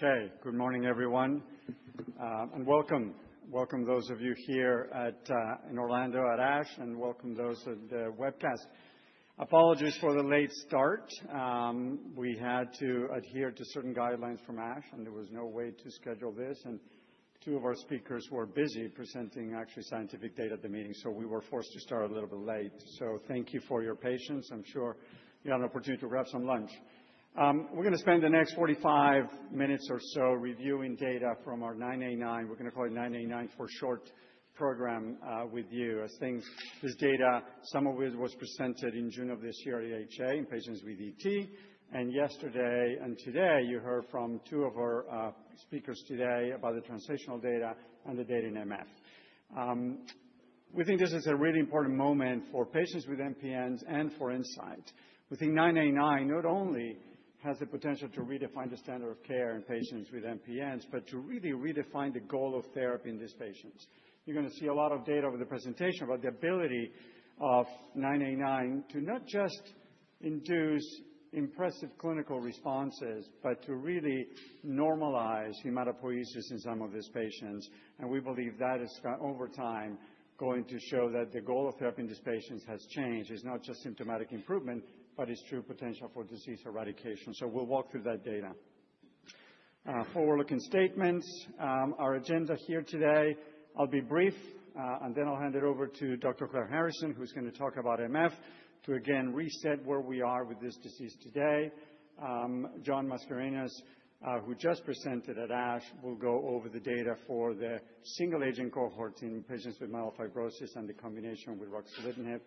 Okay. Good morning, everyone and welcome. Welcome those of you here in Orlando at ASH, and welcome those at the webcast. Apologies for the late start. We had to adhere to certain guidelines from ASH and there was no way to schedule this, and two of our speakers were busy presenting actually scientific data at the meeting, so we were forced to start a little bit late, so thank you for your patience. I'm sure you have an opportunity to grab some lunch. We're going to spend the next 45 minutes or so reviewing data from our 989; we're going to call it 989 for short program with you. I think this data, some of it was presented in June of this year at EHA in patients with ET and yesterday and today. You heard from two of our speakers today about the translational data and the data in MF. We think this is a really important moment for patients with MPNs and for Incyte. We think 989 not only has the potential to redefine the standard of care in patients with MPNs, but to really redefine the goal of therapy in these patients. You're going to see a lot of data over the presentation about the ability of 989 to not just induce impressive clinical responses, but to really normalize hematopoiesis in some of these patients. And we believe that is over time going to show that the goal of therapy in these patients has changed. It's not just symptomatic improvement, but its true potential for disease eradication. So we'll walk through that data. Forward-looking statements. Our agenda here today. I'll be brief and then I'll hand it over to Dr. Claire Harrison, who's going to talk about MF to again reset where we are with this disease today. John Mascarenhas, who just presented at ASH, will go over the data for the single agent cohorts in patients with myelofibrosis and the combination with ruxolitinib.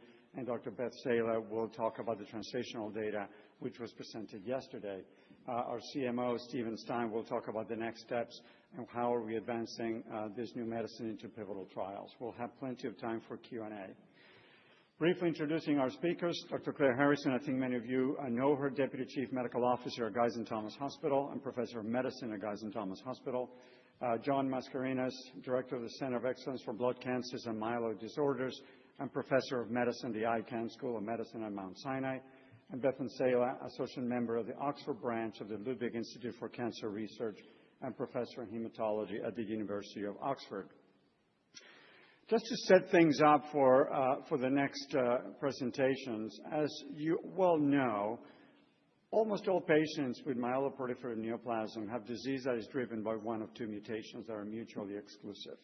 Dr. Bethan Psaila will talk about the translational data which was presented yesterday. Our CMO, Steven Stein, will talk about the next steps and how are we advancing this new medicine into pivotal trials. We'll have plenty of time for Q&A. Briefly introducing our speakers, Dr. Claire Harrison, I think many of you know her. Deputy Chief Medical Officer at Guy's and St Thomas' Hospital and Professor of Medicine at Guy's and St Thomas' Hospital, John Mascarenhas, Director of the Center of Excellence for Blood Cancers and Myeloid Disorders and Professor of Medicine at the Icahn School of Medicine at Mount Sinai, and Bethan Psaila, Associate Member of the Oxford branch of the Ludwig Institute for Cancer Research and Professor of Hematology at the University of Oxford. Just to set things up for the next presentations. As you well know, almost all patients with myeloproliferative neoplasm have disease that is driven by one of two mutations that are mutually exclusive.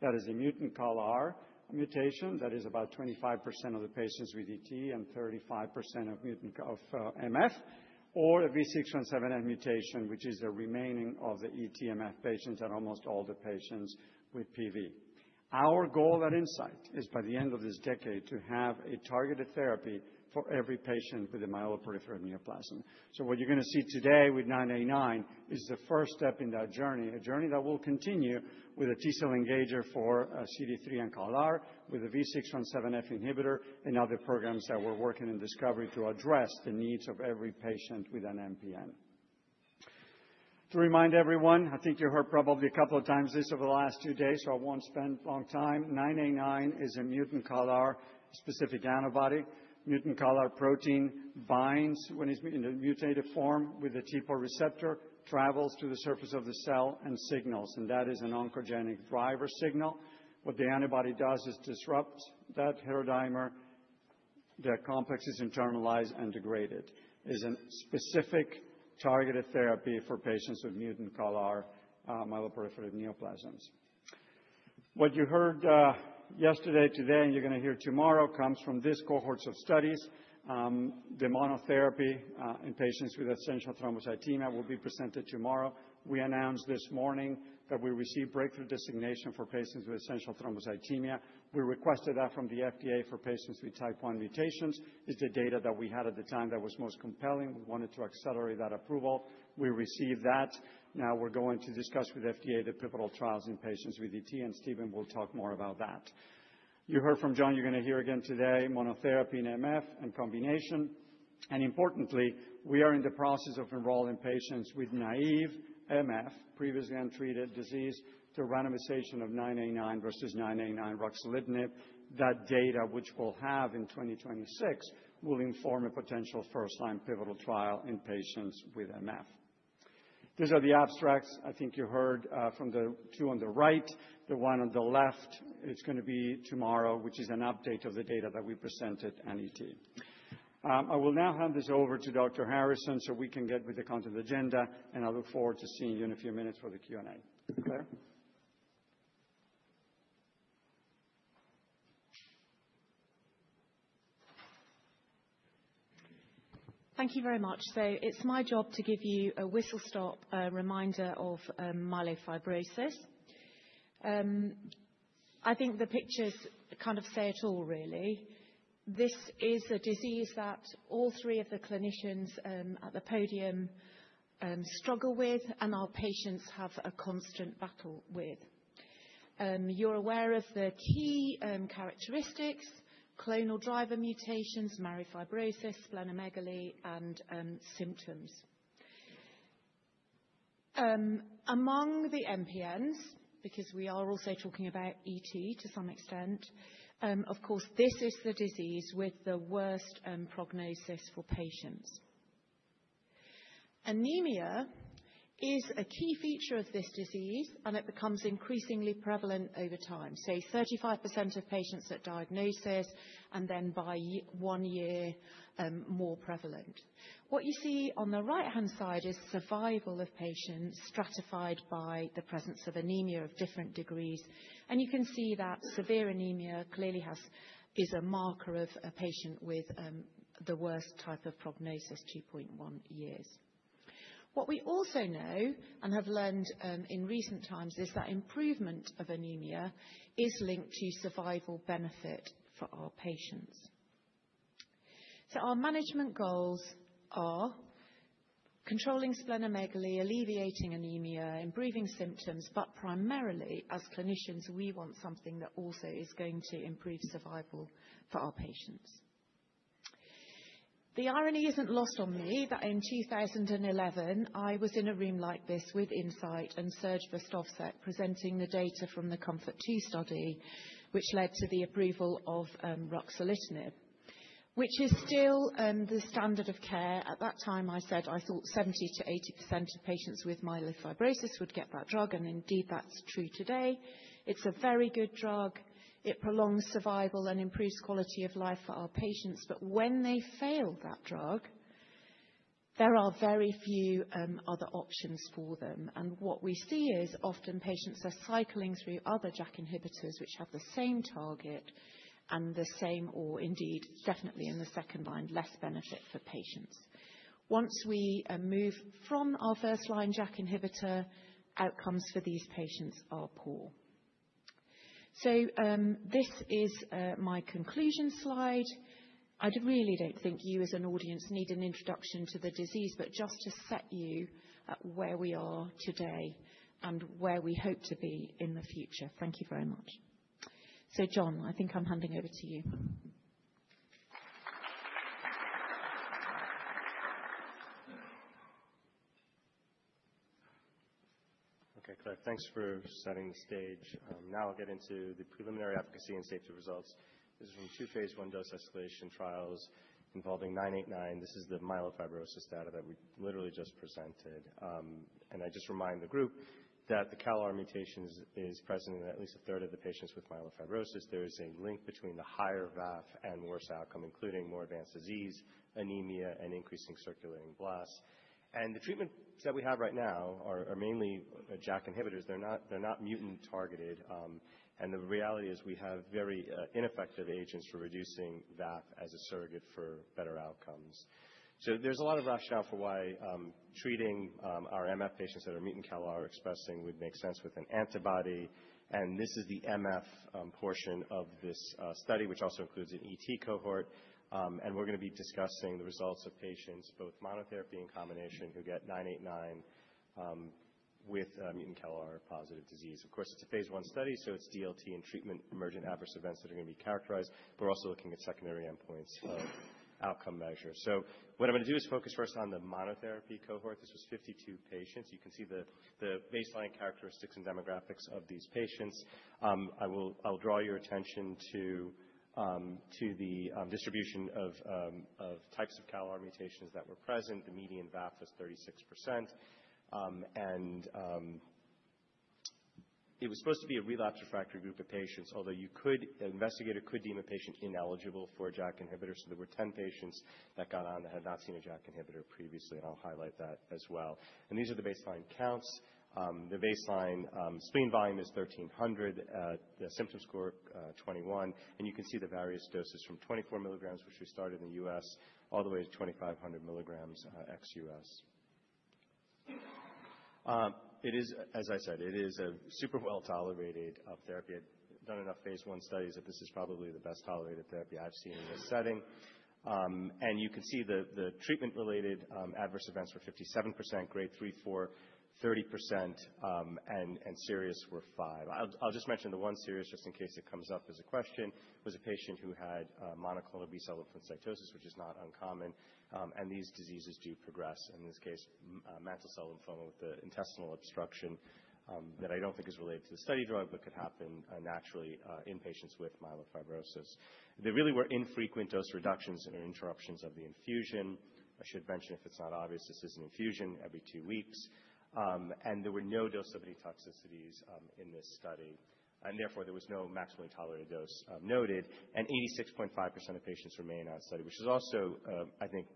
That is a mutant CALR mutation that is about 25% of the patients with ET and 35% of MF, or a V617F mutation, which is the remaining of the ET and MF patients and almost all the patients with PV. Our goal at Incyte is by the end of this decade to have a targeted therapy for every patient with a myeloproliferative neoplasm. So what you're going to see today with 989 is the first step in that journey, a journey that will continue with a T-cell engager for CD3 and CALR with a V617F inhibitor and other programs that we're working in discovery to address the needs of every patient with an MPN. To remind everyone, I think you heard probably a couple of times this over the last two days, so I won't spend a long time. 989 is a mutant CALR-specific antibody. Mutant CALR protein that binds when it's in a mutated form with the TPO receptor, travels to the surface of the cell and signals and that is an oncogenic driver signal. What the antibody does is disrupt that heterodimer. The complex is internalized and degraded is a specific targeted therapy for patients with mutant CALR myeloproliferative neoplasms. What you heard yesterday, today, and you're going to hear tomorrow comes from this cohort of studies. The monotherapy in patients with essential thrombocythemia will be presented tomorrow. We announced this morning that we received Breakthrough Designation for patients with essential thrombocythemia. We requested that from the FDA for patients with Type 1 mutations. It is the data that we had at the time that was most compelling. We wanted to accelerate that approval. We received that. Now we're going to discuss with FDA the pivotal trials in patients with ET and Steven will talk more about that. You heard from John. You're going to hear again today. Monotherapy and MF and combination. And importantly, we are in the process of enrolling patients with naïve MF, previously untreated disease to randomization of 989 versus 989 ruxolitinib. That data, which we'll have in 2026, will inform a potential first line, pivotal trial in patients with MF. These are the abstracts I think you heard from the two on the right. The one on the left is going to be tomorrow, which is an update of the data that we present at NET. I will now hand this over to Dr. Harrison so we can get with the content agenda and I look forward to seeing you in a few minutes for the Q&A. Claire? Thank you very much. So it's my job to give you a whistle stop reminder of myelofibrosis. I think the pictures kind of say it all, really. This is a disease that all three of the clinicians at the podium struggle with and our patients have a constant battle with. You're aware of the key characteristics, clonal driver mutations, myelofibrosis, splenomegaly and symptoms. Among the MPNs, because we are also talking about ET to some extent. Of course, this is the disease with the worst prognosis for patients. Anemia is a key feature of this disease, and it becomes increasingly prevalent over time. Say, 35% of patients at diagnosis and then by one year, more prevalent. What you see on the right-hand side is survival of patients stratified by the presence of anemia of different degrees, and you can see that severe anemia clearly is a marker of a patient with the worst type of prognosis. 2.1 years. What we also know and have learned in recent times is that improvement of anemia is linked to survival benefit for our patients. So our management goals are controlling splenomegaly, alleviating anemia, improving symptoms. But primarily as clinicians, we want something that also is going to improve survival for our patients. The irony isn't lost on me that in 2011 I was in a room like this with Incyte and Srdan Verstovsek presenting the data from the COMFORT-II study, which led to the approval of ruxolitinib, which is still the standard of care. At that time I said I thought 70%-80% of patients with myelofibrosis would get that drug, and indeed that's true today. It's a very good drug. It prolongs survival and improves quality of life for our patients, but when they fail that drug, there are very few other options for them, and what we see is often patients are cycling through other JAK inhibitors which have the same target and the same, or indeed definitely in the second line, less benefit for patients. Once we move from our first line, JAK inhibitor outcomes for these patients are poor. So this is my conclusion slide. I really don't think you as an audience need an introduction to the disease, but just to set you at where we are today, where we hope to be in the future. Thank you very much. So, John, I think I'm handing over to you. Okay, Claire, thanks for setting the stage. Now I'll get into the preliminary efficacy and safety results. This is from two phase I dose escalation trials involving 989. This is the myelofibrosis data that we literally just presented. And I just remind the group that the CALR mutations is present in at least a third of the patients with myelofibrosis. There is a link between the higher VAF and worse outcome, including more advanced disease, anemia and increasing circulating blasts. And the treatments that we have right now are mainly JAK inhibitors. They're not mutant targeted. And the reality is we have very ineffective agents for reducing VAF as a surrogate for better outcomes. So there's a lot of rationale for why treating our MF patients that are mutant CALR expressing would make sense with an antibody. This is the MF portion of this study which also includes an ET cohort. We're going to be discussing the results of patients both monotherapy and combination who get 989 with mutant CALR positive disease. Of course, it's a phase I study, so it's DLT and treatment-emergent adverse events that are going to be characterized. We're also looking at secondary endpoints of outcome measures. What I'm going to do is focus first on the monotherapy cohort. This was 52 patients. You can see the baseline characteristics and demographics of these patients. I'll draw your attention to the distribution of types of CALR mutations that were present. The median VAF is 36% and. It was supposed to be a relapsed refractory group of patients. Although you could, an investigator could deem a patient ineligible for JAK inhibitor. So there were 10 patients that got on that had not seen a JAK inhibitor previously. And I'll highlight that as well. And these are the baseline counts. The baseline spleen volume is 1300, the symptom score 21. And you can see the various doses from 24 milligrams which we started in the U.S. all the way to 2500 mg ex U.S. It is, as I said, it is a super well tolerated therapy. I've done enough phase I studies that this is probably the best tolerated therapy I've seen in this setting. You can see the treatment-related adverse events were 57%, Grade 3, 4, 30% and serious were 5%. I'll just mention the one serious just in case it comes up as a question, was a patient who had monoclonal B-cell lymphocytosis, which is not uncommon. These diseases do progress, in this case mantle cell lymphoma with the intestinal obstruction that I don't think is related to the study drug, but could happen naturally in patients with myelofibrosis. There really were infrequent dose reductions and interruptions of the infusion. I should mention if it's not obvious, this is an infusion every two weeks and there were no dose-limiting toxicities in this study and therefore there was no maximum tolerated dose noted, and 86.5% of patients remain on study, which is also, I think,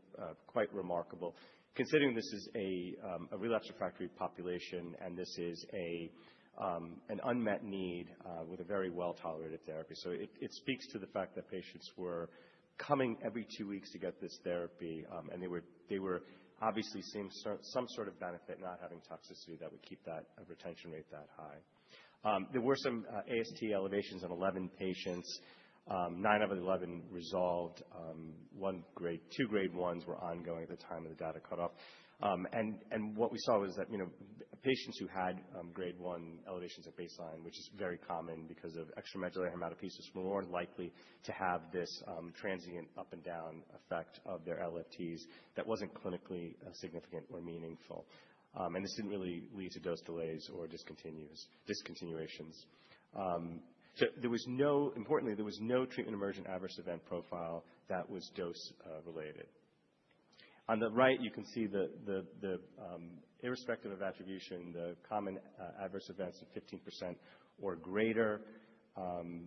quite remarkable considering this is a relapsed refractory population and this is an unmet need with a very well tolerated therapy, so it speaks to the fact that patients were coming every two weeks to get this therapy and they were obviously seeing some sort of benefit not having toxicity that would keep that retention rate that high. There were some AST elevations in 11 patients. Nine of 11 resolved. Two Grade 1s were ongoing at the time of the data cutoff. What we saw was that patients who had Grade 1 elevations at baseline, which is very common because of extramedullary hematopoiesis, were more likely to have this transient up and down effect of their LFTs. That wasn't clinically significant or meaningful. And this didn't really lead to dose delays or discontinuations. So, importantly, there was no treatment emergent adverse event profile that was dose related. On the right you can see, irrespective of attribution, the common adverse events of 15% or greater,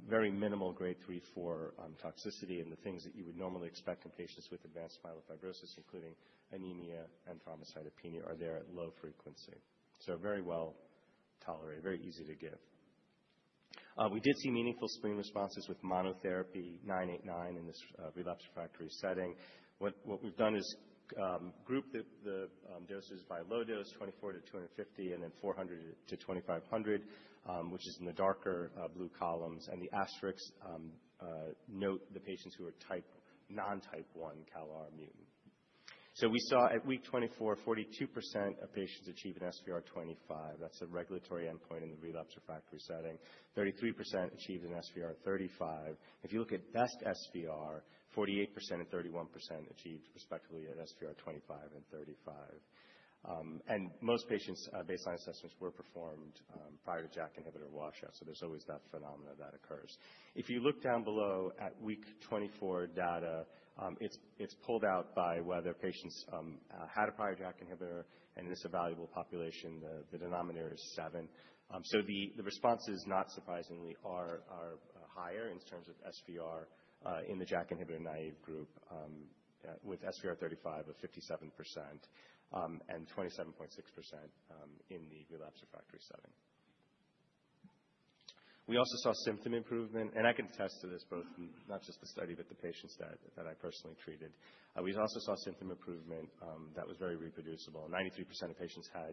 very minimal Grade 3, 4 toxicity, and the things that you would normally expect in patients with advanced myelofibrosis, including anemia and thrombocytopenia, are there at low frequency. So very well tolerated, very easy to give. We did see meaningful spleen responses with monotherapy 989 in this relapsed refractory setting. What we've done is group the doses by low dose 24-250 and then 400-2,500, which is in the darker blue columns. The asterisks note the patients who are non-Type 1 CALR mutant. We saw at week 24, 42% of patients achieve an SVR25. That's a regulatory endpoint in the relapse-refractory setting. 33% achieved an SVR35. If you look at best SVR, 48% and 31% achieved respectively SVR25 and SVR35. Most patients' baseline assessments were performed prior to JAK inhibitor washout. There's always that phenomenon that occurs. If you look down below at week-24 data, it's pulled out by whether patients had a prior JAK inhibitor, and it's a valuable population. The denominator is 7, so the responses, not surprisingly, are higher in terms of SVR. In the JAK inhibitor-naive group with SVR35 of 57% and 27.6% in the relapsed/refractory setting. We also saw symptom improvement, and I can attest to this both from not just the study but the patients that I personally treated. We also saw symptom improvement that was very reproducible. 93% of patients had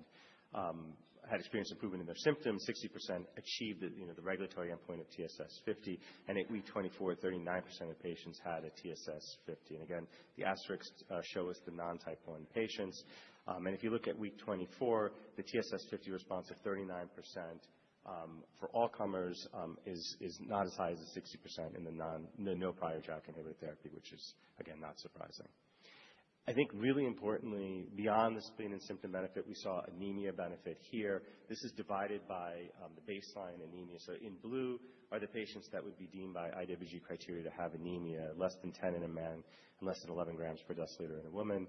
experienced improvement in their symptoms, 60% achieved the regulatory endpoint of TSS50. And at week 24, 39% of patients had a TSS50. And again the asterisks show us the non-Type 1 patients. And if you look at week 24, the TSS50 response of 39% for all comers is not as high as the 60% in the no prior JAK inhibitor therapy, which is again not surprising. I think really importantly, beyond the spleen and symptom benefit, we saw anemia benefit. Here. This is divided by the baseline anemia. So in blue are the patients that would be deemed by IWG criteria to have anemia less than 10 in a man and less than 11 g per deciliter in a woman.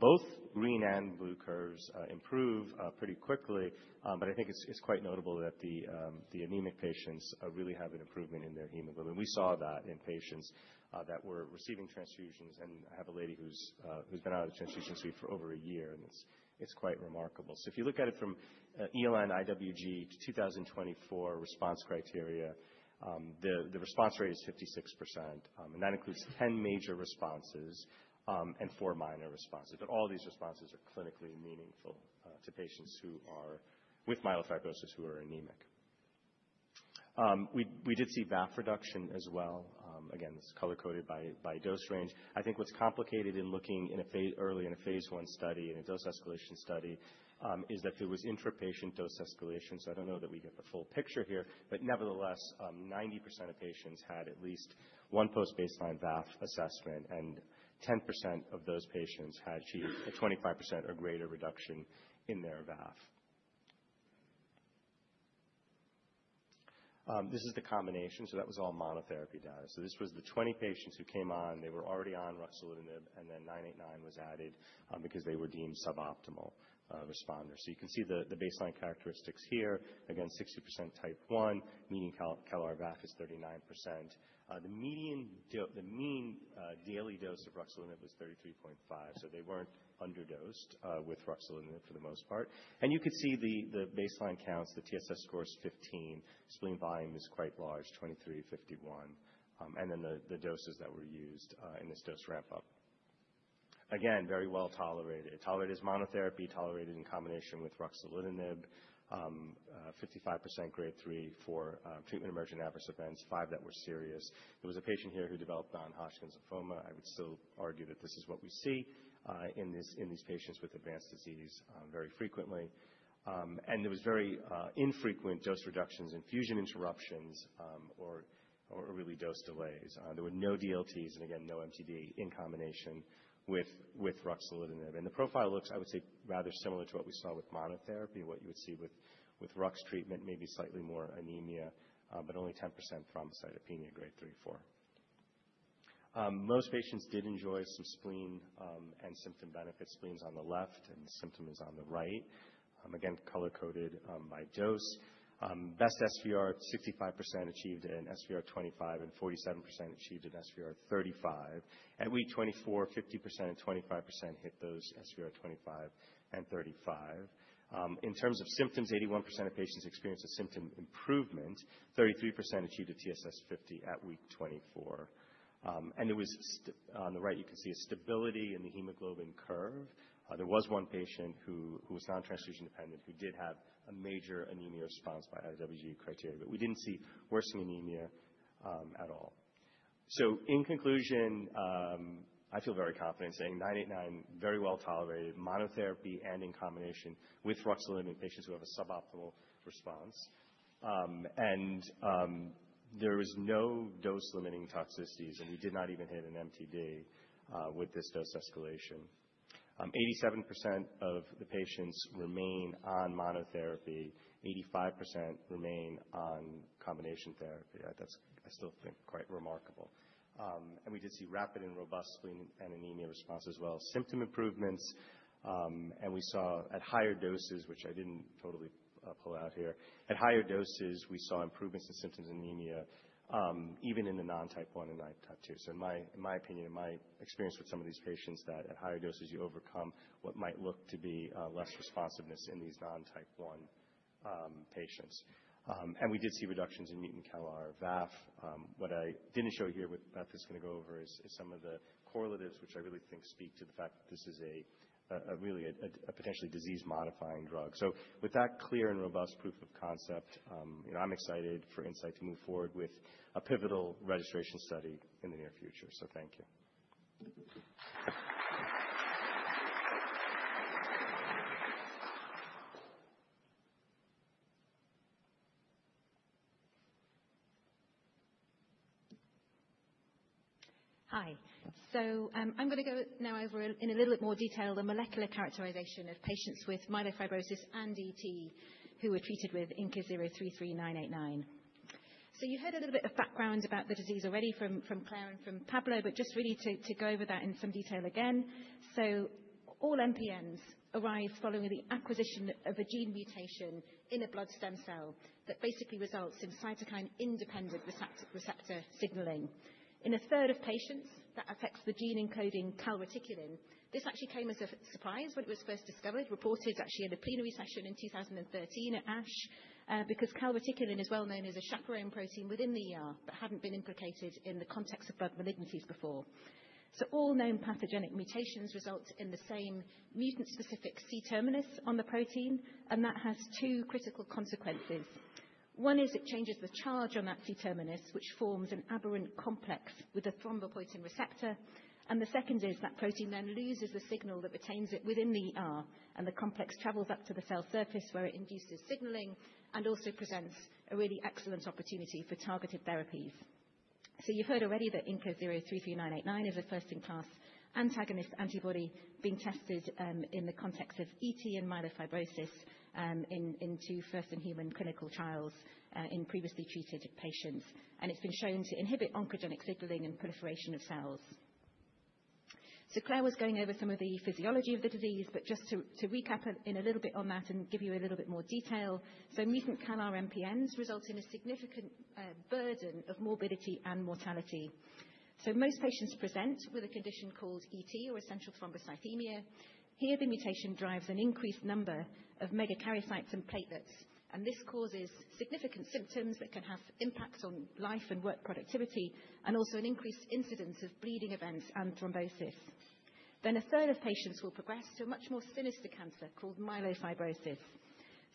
Both green and blue curves improve pretty quickly, but I think it's quite notable that the anemic patients really have an improvement in their hemoglobin. We saw that in patients that were receiving transfusions and I have a lady who's been out of the transfusion suite for over a year and it's quite remarkable. So if you look at it from ELN IWG to 2024 response criteria, the response rate is 56% and that includes 10 major responses and four minor responses. But all these responses are clinically meaningful to patients who are with myelofibrosis who are anemic. We did see VAF reduction as well. Again, it's color coded by dose range. I think what's complicated in looking early in a phase I study, in a dose escalation study is that there was intra-patient dose escalation. So I don't know that we get the full picture here, but nevertheless 90% of patients had at least one post-baseline VAF assessment and 10% of those patients had achieved a 25% or greater reduction in their VAF. This is the combination. So that was all monotherapy data. So this was the 20 patients who came on, they were already on ruxolitinib and then 989 was added because they were deemed suboptimal responders. So you can see the baseline characteristics here. Again 60% Type 1, meaning CALR VAF is 39%. The mean daily dose across ruxolitinib was 33.5. So they weren't underdosed with ruxolitinib for the most part. And you could see the baseline counts. The TSS score is 15. Spleen volume is quite large. 2351. And then the doses that were used in this dose ramp up. Again, very well tolerated. Tolerated as monotherapy, tolerated in combination with ruxolitinib 55% Grade 3 for treatment-emergent adverse events 5 that were serious. There was a patient here who developed non-Hodgkin's lymphoma. I would still argue that this is what we see in these patients with advanced disease very frequently. There was very infrequent dose reductions and infusion interruptions or really dose delays. There were no DLTs and again no MTD in combination with ruxolitinib. The profile looks I would say rather similar to what we saw with monotherapy. What you would see with RUX treatment, maybe slightly more anemia but only 10% thrombocytopenia Grade 3/4. Most patients did enjoy some spleen and symptom benefit. Spleen is on the left and the symptom is on the right. Again color coded by dose. Best SVR 65% achieved an SVR25 and 47% achieved an SVR35. At week 24 50% and 25% hit those SVR25 and 35. In terms of symptoms, 81% of patients experienced a symptom improvement, 33% achieved a TSS50 at week 24 and it was on the right. You can see a stability in the hemoglobin curve. There was one patient who was non-transfusion dependent who did have a major anemia response by IWG criteria, but we didn't see worsening anemia at all. In conclusion, I feel very confident saying 989 very well tolerated monotherapy and in combination with ruxolitinib in patients who have a suboptimal response, and there is no dose limiting toxicities, and we did not even hit an MTD with this dose escalation. 87% of the patients remain on monotherapy, 85% remain on combination therapy. That's, I still think, quite remarkable. And we did see rapid and robust spleen and anemia response as well, symptom improvements. And we saw at higher doses, which I didn't totally pull out here, at higher doses we saw improvements in symptoms, anemia even in the non-Type 1 and non-Type 2. So in my opinion, in my experience with some of these patients, that at higher doses you overcome what might look to be less responsive in these non-Type 1 patients. And we did see reductions in mutant CALR VAF. What I didn't show here with Beth is going to go over some of the correlatives, which I really think speak to the fact that this is really a potentially disease-modifying drug. So with that clear and robust proof of concept, I'm excited for Incyte to move forward with a pivotal registration study in the near future. So thank you. Hi. So I'm going to go now over, in a little bit more detail, the molecular characterization of patients with myelofibrosis and ET who were treated with INCA033989. So you heard a little bit of background about the disease already from Claire and from Pablo, but just really to go over that in some detail again. So all MPNs arise following the acquisition of a gene mutation in a blood stem cell that basically results in cytokine-independent receptor signaling in a third of patients that affects the gene encoding calreticulin. This actually came as a surprise when it was first discovered, reported actually in a plenary session in 2013 at ASH, because calreticulin is well known as a chaperone protein within the ER, but hadn't been implicated in the context of the blood malignancies before. All known pathogenic mutations result in the same mutant specific C-terminus on the protein and that has two critical consequences. One is it changes the charge on that C-terminus, which forms an aberrant complex with a thrombopoietin receptor. And the second is that protein then loses the signal that retains it within the ER and the complex travels up to the cell surface where it induces signaling and also presents a really excellent opportunity for targeted therapies. You've heard already that INCA033989 is a first-in-class antagonist antibody being tested in the context of ET and myelofibrosis, too, first-in-human clinical trials in previously treated patients. And it's been shown to inhibit oncogenic signaling and proliferation of cells. Claire was going over some of the physiology of the disease. But just to recap in a little bit on that and give you a little bit more detail, so mutant CALR MPNs result in a significant burden of morbidity and mortality. So most patients present with a condition called ET or essential thrombocythemia. Here the mutation drives an increased number of megakaryocytes and platelets, and this causes significant symptoms that can have impact on life and work productivity and also an increased incidence of bleeding events and thrombosis. Then a third of patients will progress to much more sinister cancer called myelofibrosis.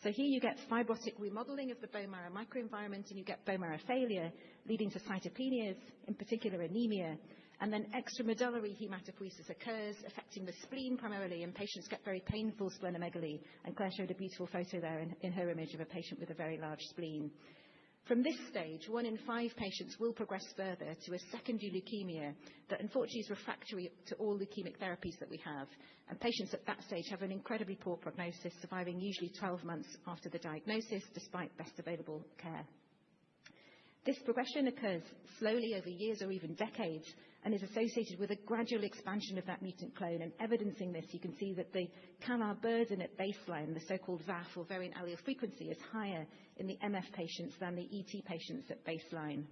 So here you get fibrotic remodeling of the bone marrow microenvironment, and you get bone marrow failure, leading to cytopenias, in particular anemia. And then extramedullary hematopoiesis occurs, affecting the spleen primarily, and patients get very painful splenomegaly. And Claire showed a beautiful photo there in her image of a patient with a very large spleen. From this stage, one in five patients will progress further to a secondary leukemia that unfortunately is refractory to all leukemic therapies that we have. Patients at that stage have an incredibly poor prognosis, surviving usually 12 months after the diagnosis, despite best available care. This progression occurs slowly over years or even decades and is associated with a gradual expansion of that mutant clone. Evidencing this, you can see that the CALR burden at baseline, the so-called VAF or variant allele frequency, is higher in the MF patients than the ET patients at baseline.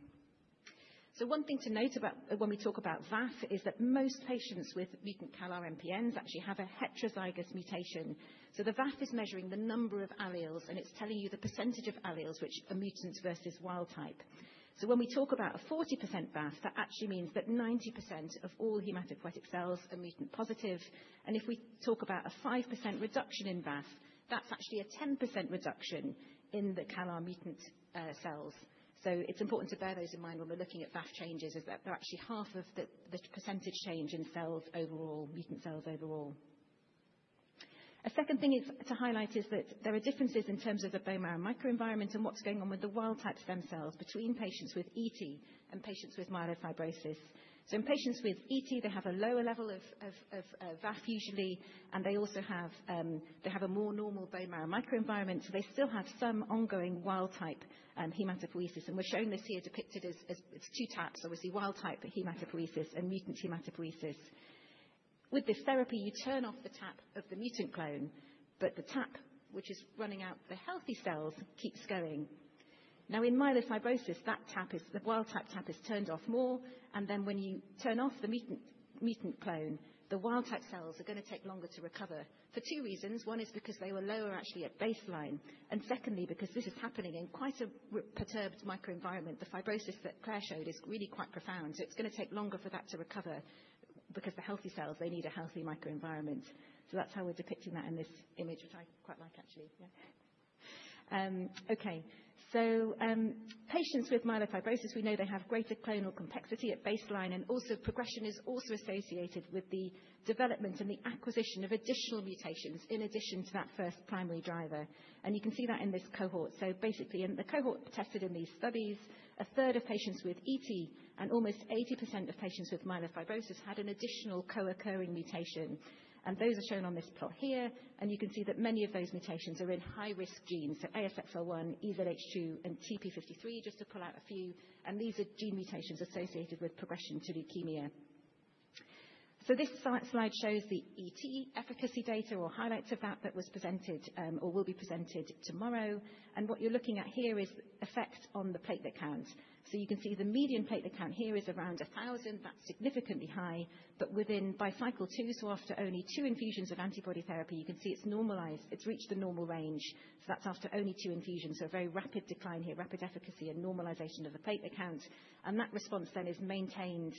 One thing to note when we talk about VAF is that most patients with mutant CALR MPNs actually have a heterozygous mutation. The VAF is measuring the number of alleles and it's telling you the percentage of alleles which are mutants versus wild type. So when we talk about a 40% VAF, that actually means that 90% of all hematopoietic cells are mutant positive. And if we talk about a 5% reduction in VAF, that's actually a 10% reduction in the CALR mutant cells. So it's important to bear those in mind when we're looking at VAF changes, that they're actually half of the percentage change in overall mutant cells. A second thing to highlight is that there are differences in terms of the bone marrow microenvironment and what's going on with the wild-type stem cells between patients with ET and patients with myelofibrosis. So in patients with ET, they have a lower level of VAFs, usually, and they also have a more normal bone marrow microenvironment. So they still have some ongoing wild-type hematopoiesis. We're showing this here depicted as two taps, obviously wild-type hematopoiesis and mutant hematopoiesis. With this therapy, you turn off the tap of the mutant clone, but the tap, which is running out the healthy cells, keeps going. Now, in myelofibrosis, that tap is the wild-type tap is turned off more. And then when you turn off the mutant clone, the wild-type cells are going to take longer to recover for two reasons. One is because they were lower actually at baseline, and secondly, because this is happening in quite a perturbed microenvironment. The fibrosis that Claire showed is really quite profound, so it's going to take longer for that to recover because the healthy cells, they need a healthy microenvironment. So that's how we're depicting that in this image, which I quite like, actually. Okay, so patients with myelofibrosis, we know they have greater clonal complexity at baseline and also progression is also associated with the development and the acquisition of additional mutations in addition to that first primary driver, and you can see that in this cohort. So basically, in the cohort tested in these studies, a third of patients with ET and almost 80% of patients with myelofibrosis had an additional co-occurring mutation, and those are shown on this plot here, and you can see that many of those mutations are in high-risk genes, so ASXL1, EZH2 and TP53, just to pull out a few, and these are gene mutations associated with progression to leukemia. So this slide shows the ET efficacy data or highlights of that that was presented or will be presented tomorrow, and what you're looking at here is effect on the platelet count. So you can see the median platelet count here is around 1,000. That's significantly high, but within, by cycle two. So after only two infusions of antibody therapy, you can see it's normalized, it's reached the normal range. So that's after only two infusions. So a very rapid decline here, rapid efficacy and normalization of the platelet count. And that response then is maintained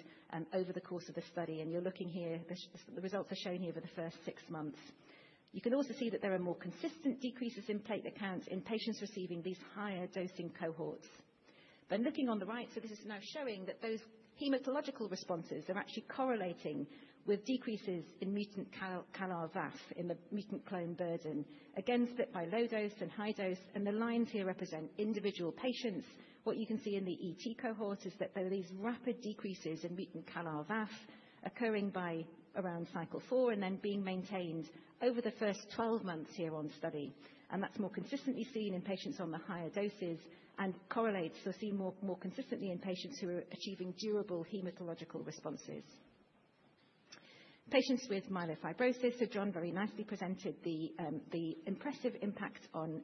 over the course of the study. And you're looking here, the results are shown here for the first six months. You can also see that there are more consistent decreases in platelet counts in patients receiving these higher dosing cohorts. Then looking on the right. So this is now showing that those hematological responses are actually correlating with decreases in mutant CALR VAFs in the mutant clone burden, again split by low dose and high dose. And the lines here represent individual patients. What you can see in the ET cohort is that there are these rapid decreases in mutant CALR VAF occurring by around cycle 4 and then being maintained over the first 12 months here on study. And that's more consistently seen in patients on the high doses and correlates. So see more consistently in patients who are achieving durable hematological responses. Patients with myelofibrosis. So, John very nicely presented the impressive impact on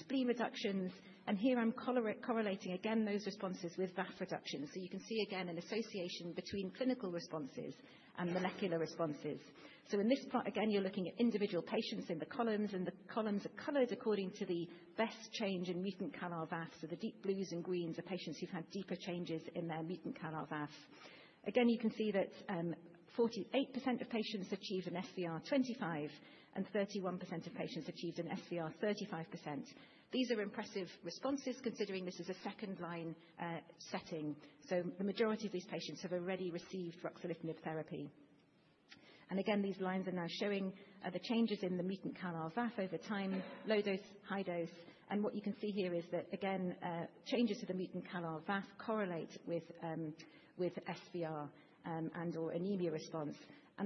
spleen reductions. And here I'm correlating again those responses with VAF reduction. So you can see again an association between clinical responses and molecular responses. So in this plot again you're looking at individual patients in the columns. And the columns are colored according to the best change in mutant CALR VAF. So the deep blues and greens are patients who've had deeper changes in their mutant CALR VAF. Again, you can see that 48% of patients achieved an SVR25 and 31% of patients achieved an SVR35. These are impressive responses considering this is a second line setting. So the majority of these patients have already received ruxolitinib therapy. And again, these lines are now showing the changes in the mutant CALR VAF over time. Low dose, high dose. What you can see here is that again, changes to the mutant CALR VAF correlate with SVR and or anemia response.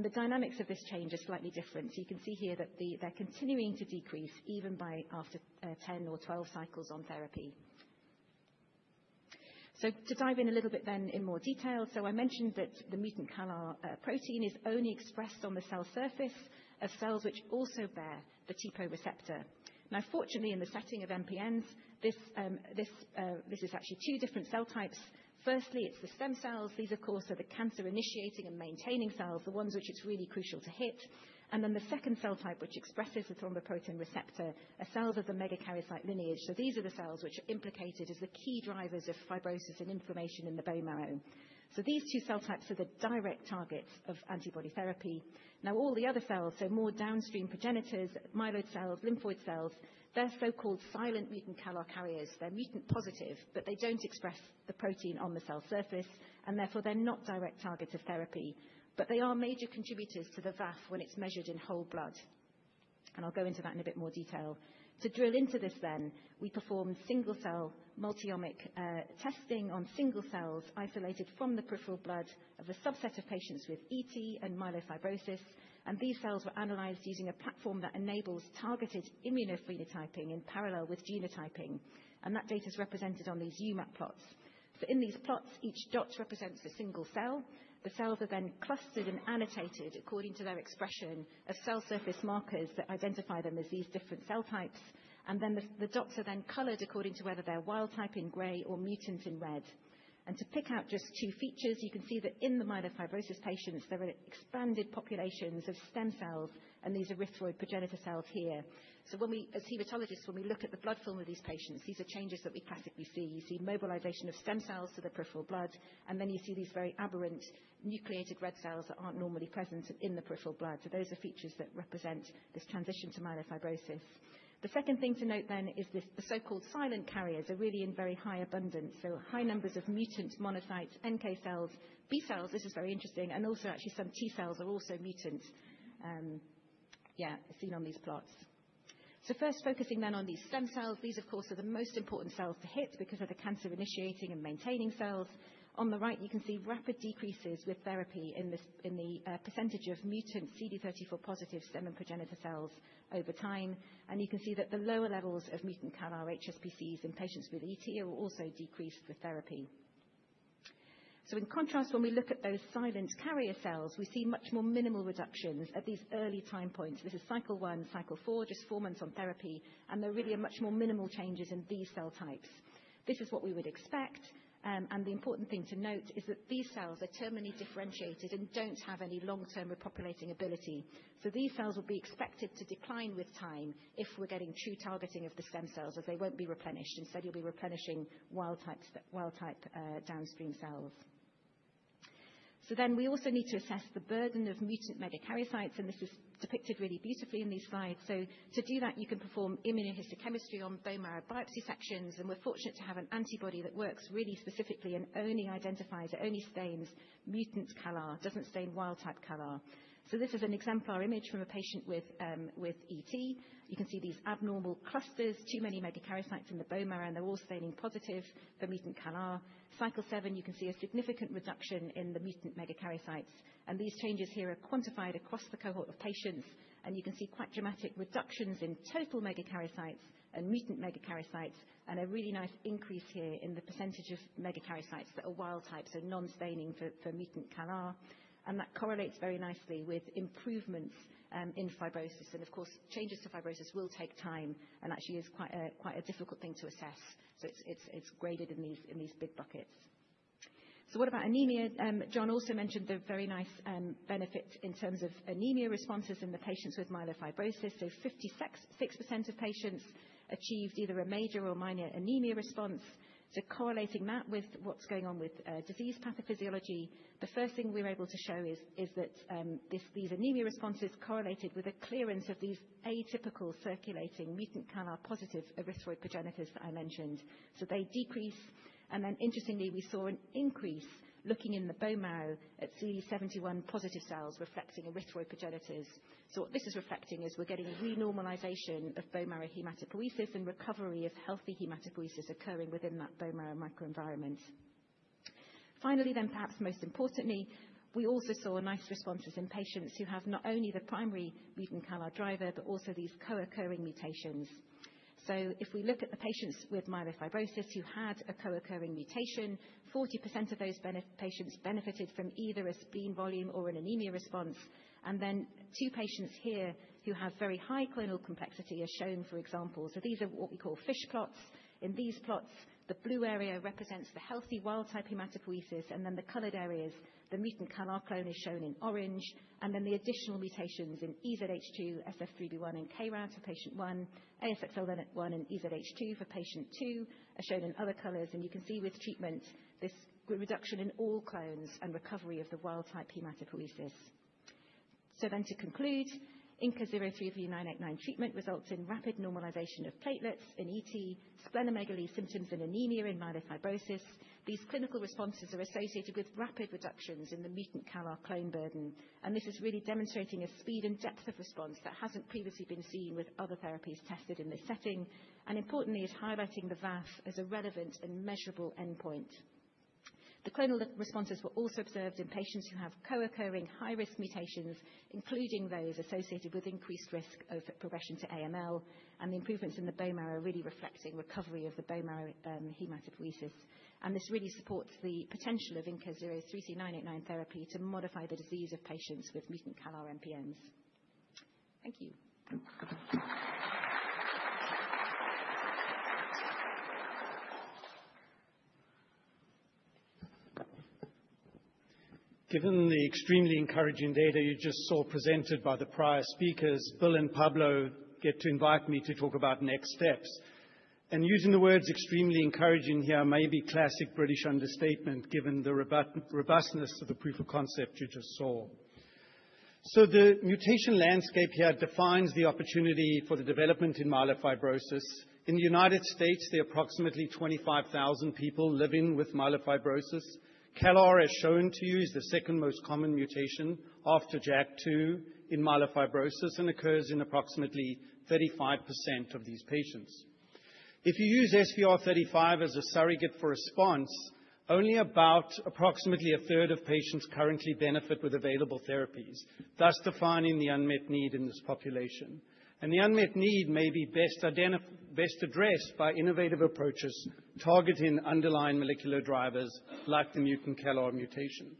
The dynamics of this change is slightly different. You can see here that they're continuing to decrease even by after 10 or 12 cycles on therapy. To dive in a little bit then in more detail, so I mentioned that the mutant CALR protein is only expressed on the cell surface of cells which also bear the TPO receptor. Now, fortunately, in the setting of MPNs, this is actually two different cell types. Firstly, it's the stem cells. These of course are the cancer initiating and maintaining cells, the ones which it's really crucial to hit. And then the second cell type which expresses the thrombopoietin receptor are cells of the megakaryocyte lineage. So these are the cells which are implicated as the key drivers of fibrosis and inflammation in the bone marrow. So these two cell types are the direct targets of antibody therapy. Now all the other cells, so more downstream progenitors, myeloid cells, lymphoid cells, they're so-called silent mutant CALR carriers, they're mutant positive, but they don't express the protein on the cell surface, and therefore they're not direct targets of therapy, but they are major contributors to the VAF when it's measured in whole blood, and I'll go into that in a bit more detail to drill into this, then we performed single-cell multi-omic testing on single cells isolated from the peripheral blood of a subset of patients with ET and myelofibrosis, and these cells were analyzed using a platform that enables targeted immunophenotyping in parallel with genotyping, and that data is represented on these UMAP plots, so in these plots, each dot represents a single cell. The cells are then clustered and annotated according to their expression of cell surface markers that identify them as these different cell types, and then the dots are then colored according to whether they're wild-type in gray or mutant in red, and to pick out just two features, you can see that in the myelofibrosis patients, there are expanded populations of stem cells and these erythroid progenitor cells here, so when we as hematologists, when we look at the blood film of these patients, these are changes that we classically see. You see mobilization of stem cells to the peripheral blood and then you see these very aberrant nucleated red cells that aren't normally present in the peripheral blood, so those are features that represent this transition to myelofibrosis. The second thing to note then is this: the so-called silent carriers are really in very high abundance, so high numbers of mutant monocytes, NK cells, B cells. This is very interesting. Also actually some T cells are also mutants. Seen on these plots. So first focusing then on these stem cells, these of course are the most important cells to hit because of the cancer initiating and maintaining cells. On the right, you can see rapid decreases with therapy in the percentage of mutant CD34-positive stem and progenitor cells over time. And you can see that the lower levels of mutant CALR HSPCs in patients with ET will also decrease with therapy. So in contrast, when we look at those silent carrier cells, we see much more minimal reductions at these early time points. This is cycle one, cycle four, just four months on therapy. And they really are much more minimal changes in these cell types. This is what we would expect. And the important thing to note is that these cells are terminally differentiated and don't have any long-term repopulating ability. These cells will be expected to decline with time if we're getting true targeting of the stem cells, as they won't be replenished. Instead, you'll be replenishing wild-type downstream cells. Then we also need to assess the burden of mutant megakaryocytes. This is depicted really beautifully in these slides. To do that, you can perform immunohistochemistry on bone marrow biopsy sections. We're fortunate to have an antibody that works really specifically and only identifies it, only stains mutant CALR, doesn't stain wild-type CALR. This is an exemplar image from a patient with ET. You can see these abnormal clusters, too many megakaryocytes in the bone marrow, and they're all staining positive for mutant CALR cycle 7. You can see a significant reduction in the mutant megakaryocytes. These changes here are quantified across the cohort of patients. You can see quite dramatic reductions in total megakaryocytes and mutant megakaryocytes and a really nice increase here in the percentage of megakaryocytes that are wild-type. So non-staining for mutant CALR. And that correlates very nicely with improvements in fibrosis. And of course changes to fibrosis will take time and actually is quite a difficult thing to assess. So it's graded in these big buckets. So what about anemia? John also mentioned the very nice benefits in terms of anemia responses in the patients with myelofibrosis. So 56% of patients achieved either a major or minor anemia response. So correlating that with what's going on with disease pathophysiology, the first thing we were able to show is that these anemia responses correlated with a clearance of these atypical circulating mutant CALR-positive erythroid progenitors that I mentioned. So they decrease. Interestingly, we saw an increase looking in the bone marrow at CD71-positive cells reflecting erythroprogenitors. What this is reflecting is we're getting renormalization of bone marrow hematopoiesis and recovery of healthy hematopoiesis occurring within that bone marrow microenvironment. Finally, perhaps most importantly, we also saw nice responses in patients who have not only the primary mutant CALR driver but also these co-occurring mutations. If we look at the patients with myelofibrosis who had a co-occurring mutation, 40% of those patients benefited from either a spleen volume or an anemia response and then two patients here who have very high clonal complexity are shown for example. These are what we call FISH plots. In these plots, the blue area represents the healthy wild-type hematopoiesis, and then the colored areas the mutant CALR clone is shown in orange, and then the additional mutations in EZH2, SF3B1, and KRAS for patient one, ASXL1 and EZH2 for patient two are shown in other colors, and you can see with treatment this reduction in all clones and recovery of the wild-type hematopoiesis. So, then, to conclude, INCA033989 treatment results in rapid normalization of platelets in ET, splenomegaly symptoms, and anemia in myelofibrosis. These clinical responses are associated with rapid reductions in the mutant CALR clone burden, and this is really demonstrating a speed and depth of response that hasn't previously been seen with other therapies tested in this setting, and importantly is highlighting the VAF as a relevant and measurable endpoint. The clonal responses were also observed in patients who have co-occurring high-risk mutations, including those associated with increased risk of progression to AML, and the improvements in the bone marrow are really reflecting recovery of the bone marrow hematopoiesis and this really supports the potential of INCA033989 therapy to modify the disease of patients with mutant CALR MPNs. Thank you. Given the extremely encouraging data you just saw presented by the prior speakers, Phil and Pablo get to invite me to talk about next steps. Using the words extremely encouraging here may be classic British understatement given the robustness of the proof of concept you just saw. The mutation landscape here defines the opportunity for the development in myelofibrosis. In the United States, there are approximately 25,000 people living with myelofibrosis. CALR, as shown to you, is the second most common mutation after JAK2 in myelofibrosis and occurs in approximately 35% of these patients. If you use SVR35 as a surrogate for response, only about approximately a third of patients currently benefit with available therapies, thus defining the unmet need in this population. The unmet need may be best addressed by innovative approaches targeting underlying molecular drivers like the mutant CALR mutation.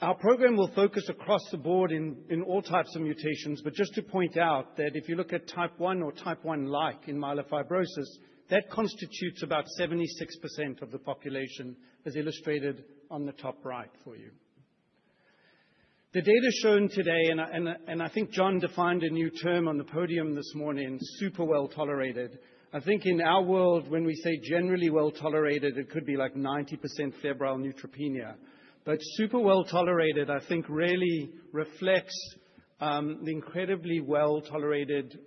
Our program will focus across the board in all types of mutations, but just to point out that if you look at Type 1 or Type 1-like in myelofibrosis that constitutes about 76% of the population, as illustrated on the top right for you, the data shown today. I think John defined a new term on the podium this morning, super well tolerated. I think in our world when we say generally well tolerated, it could be like 90% febrile neutropenia, but super well tolerated I think really reflects the incredibly well tolerated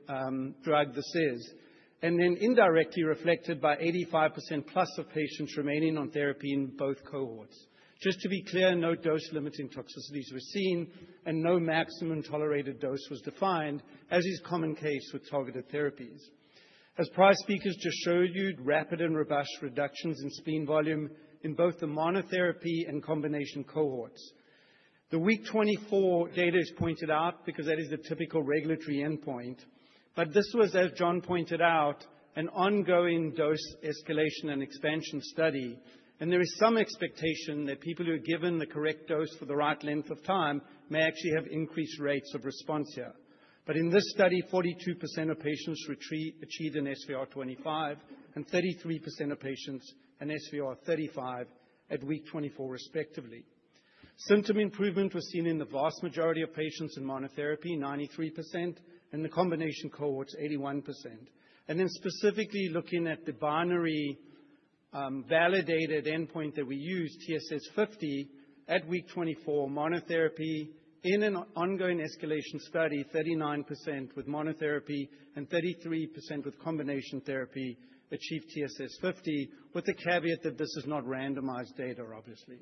drug this is, and then indirectly reflected by 85%+ of patients remaining on therapy in both cohorts. Just to be clear, no dose limiting toxicities were seen and no maximum tolerated dose was defined. As is the common case with targeted therapies, as prior speakers just showed you, rapid and robust reductions in spleen volume in both the monotherapy and combination cohorts. The week 24 data is pointed out because that is the typical regulatory endpoint. This was, as John pointed out, an ongoing dose escalation and expansion study. There is some expectation that people who are given the correct dose for the right length of time may actually have increased rates of response here. In this study, 42% of patients achieved an SVR25 and 33% of patients an SVR35 at week 24 respectively. Symptom improvement was seen in the vast majority of patients in monotherapy, 93% and the combination cohorts, 81%. And then specifically looking at the binary validated endpoint that we use, TSS50 at week 24 monotherapy in an ongoing escalation study, 39% with monotherapy and 33% with combination therapy achieved TSS50. With the caveat that this is not randomized data, obviously,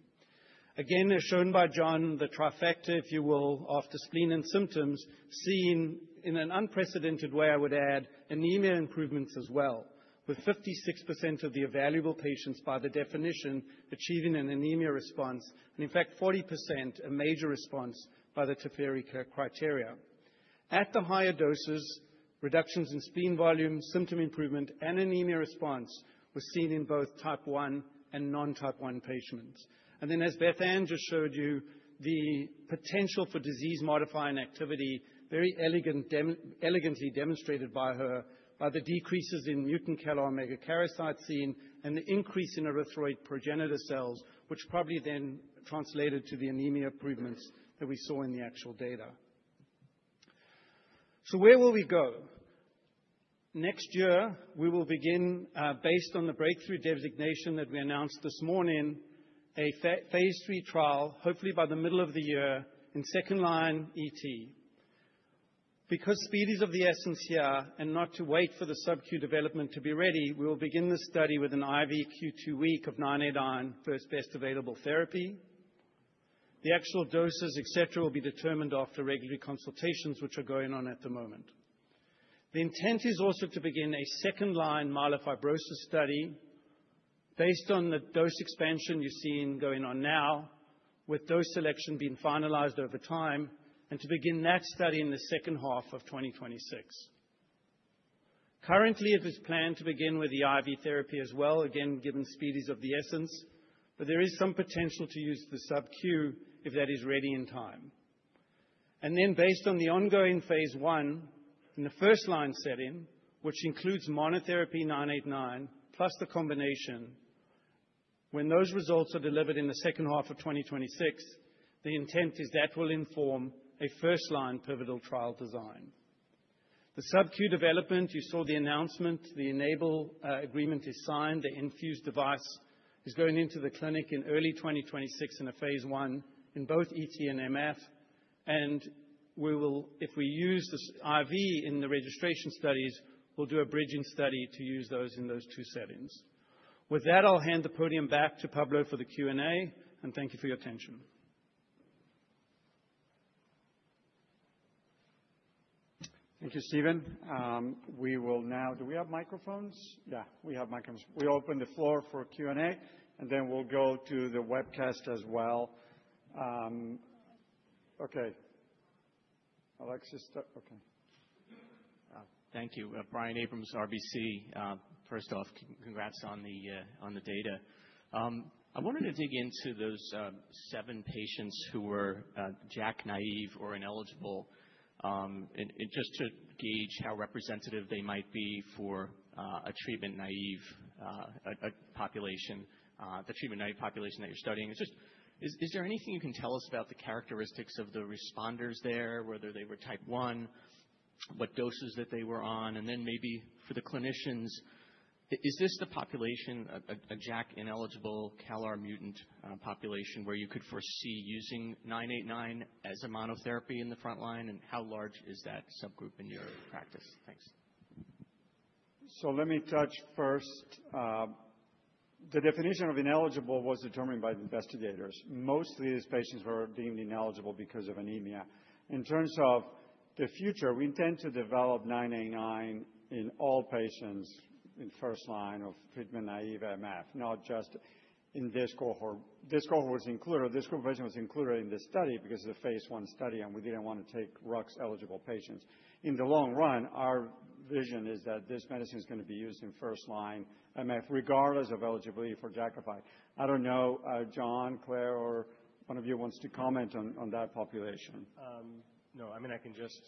again, as shown by John, the trifecta, if you will, after spleen and symptoms seen in an unprecedented way, I would add anemia improvements as well. With 56% of the available patients, by the definition achieving an anemia response and in fact 40% a major response by the Tefferi criteria at the higher doses, reductions in spleen volume, symptom improvement and anemia response were seen in both Type 1 and non-Type 1 patients. Then as Bethan just showed you, the potential for disease-modifying activity, very elegantly demonstrated by her by the decreases in mutant CALR megakaryocyte sequence and the increase in erythroid progenitor cells, which probably then translated to the anemia improvements that we saw in the actual data. So where will we go next year? We will begin, based on the breakthrough designation that we announced this morning, a phase III trial, hopefully by the middle of the year, in second-line ET. Because speed is of the essence here and not to wait for SubQ development to be ready, we will begin the study with an IV Q2-week of 989 first best available therapy. The actual doses, et cetera, will be determined after regular consultations which are going on at the moment. The intent is also to begin a second-line myelofibrosis study based on the dose expansion you're seeing going on now, with dose selection being finalized over time, and to begin that study in the second half of 2026. Currently, it is planned to begin with the IV therapy as well. Again, given speed is of the essence, but there is some potential to use the SubQ if that is ready in time, and then based on the ongoing phase I in the first line setting, which includes monotherapy 989 plus the combination. When those results are delivered in the second half of 2026, the intent is that will inform a first line pivotal trial design, the SubQ development. You saw the announcement. The Enable agreement is signed. The enFuse device is going into the clinic in early 2026 in a phase I in both ET and MF, and we will, if we use this IV in the registration studies, we'll do a bridging study to use those in those two settings. With that, I'll hand the podium back to Pablo for the Q&A and thank you for your attention. Thank you, Steven. We will now. Do we have microphones? Yeah, we have microphones. We open the floor for Q&A and then we'll go to the webcast as well. Okay, Alexis. Okay. Thank you. Brian Abrahams, RBC. First off, congrats on the data. I wanted to dig into those seven patients who were JAK-naive or ineligible just to gauge how representative they might be for a treatment naive population. The treatment naive population that you're studying, is there anything you can tell us about the characteristics of the responders there? Whether they were Type 1, what doses that they were on, and then maybe for the clinicians. Is this the population? A JAK ineligible CALR mutant population, where you could foresee using 989 as a monotherapy in the front line? And how large is that subgroup in your practice? Thanks. Let me touch first. The definition of ineligible was determined by investigators. Mostly these patients were deemed ineligible because of anemia. In terms of the future, we intend to develop 989 in all patients in first line of treatment naive MF. Not just in this cohort. This cohort was included. This group of patients was included in this study because it's a phase I study and we didn't want to take rux eligible patients in the long run. Our vision is that this medicine is going to be used in first line MF regardless of eligibility for Jakafi. I don't know, John, Claire or one of you wants to comment on that population. No, I mean, I can just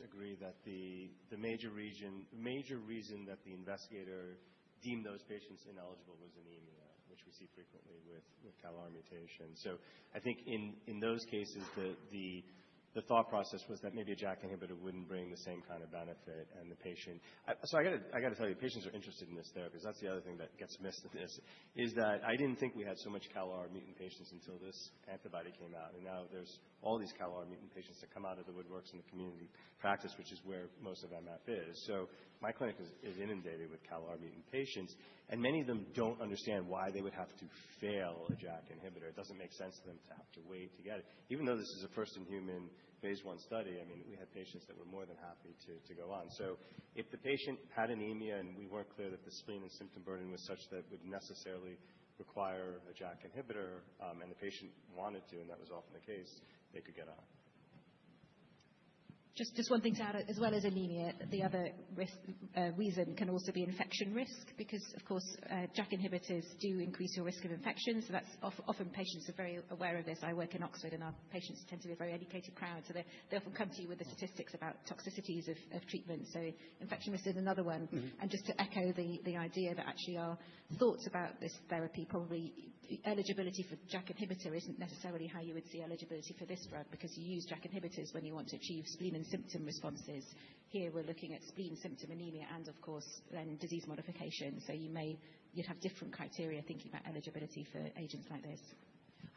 agree that the major reason that the investigator deemed those patients ineligible was anemia, which we see frequently with CALR mutation. So I think in those cases the thought process was that maybe a JAK inhibitor wouldn't bring the same kind of benefit to the patient. So I got to tell you, patients are interested in this therapy because that's the other thing that gets missed. Another thing is that I didn't think we had so many CALR mutant patients until this antibody came out. And now there's all these CALR mutant patients that come out of the woodwork and the community practice, which is where most of MF is. So my clinic is inundated with CALR mutant patients and many of them don't understand why they would have to fail a JAK inhibitor. It doesn't make sense to them to have to wait to get it. Even though this is a first-in-human phase I study. I mean, we had patients that were more than happy to go on. So if the patient had anemia and we weren't clear that the spleen and symptom burden was such that it would necessarily require a JAK inhibitor and the patient wanted to, and that was often the case, they could get on. Just one thing to add, as well as anemia, the other risk reason can also be infection risk because of course JAK inhibitors do increase your risk of infection. So that's often patients are very aware of this. I work in Oxford and our patients tend to be very educated. So they often come to you with the statistics about toxicities of treatment. So infection risk is another one. And just to echo the idea that actually our thoughts about this therapy, probably eligibility for JAK inhibitor isn't necessarily how you would see eligibility for this drug because you use JAK inhibitors when you want to achieve spleen and symptom responses. Here we're looking at spleen, symptom, anemia and of course then disease modification. So you may, you'd have different criteria thinking about eligibility for agents like this.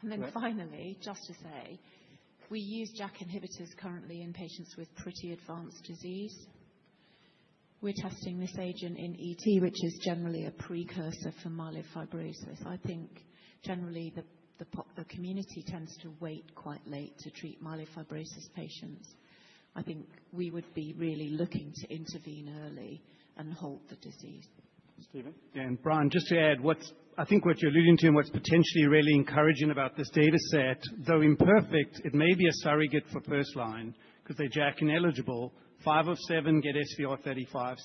Then finally, just to say, we use JAK inhibitors currently in patients with pretty advanced disease. We're testing this agent in ET, which is generally a precursor for myelofibrosis. I think generally the community tends to wait quite late to treat myelofibrosis patients. I think we would be really looking to intervene early and halt the disease. Steven. Brian, just to add what's, I think what you're alluding to and what's potentially really encouraging about this data set, though imperfect, it may be a surrogate for first line because they're JAK ineligible. 5 of 7 get SVR35,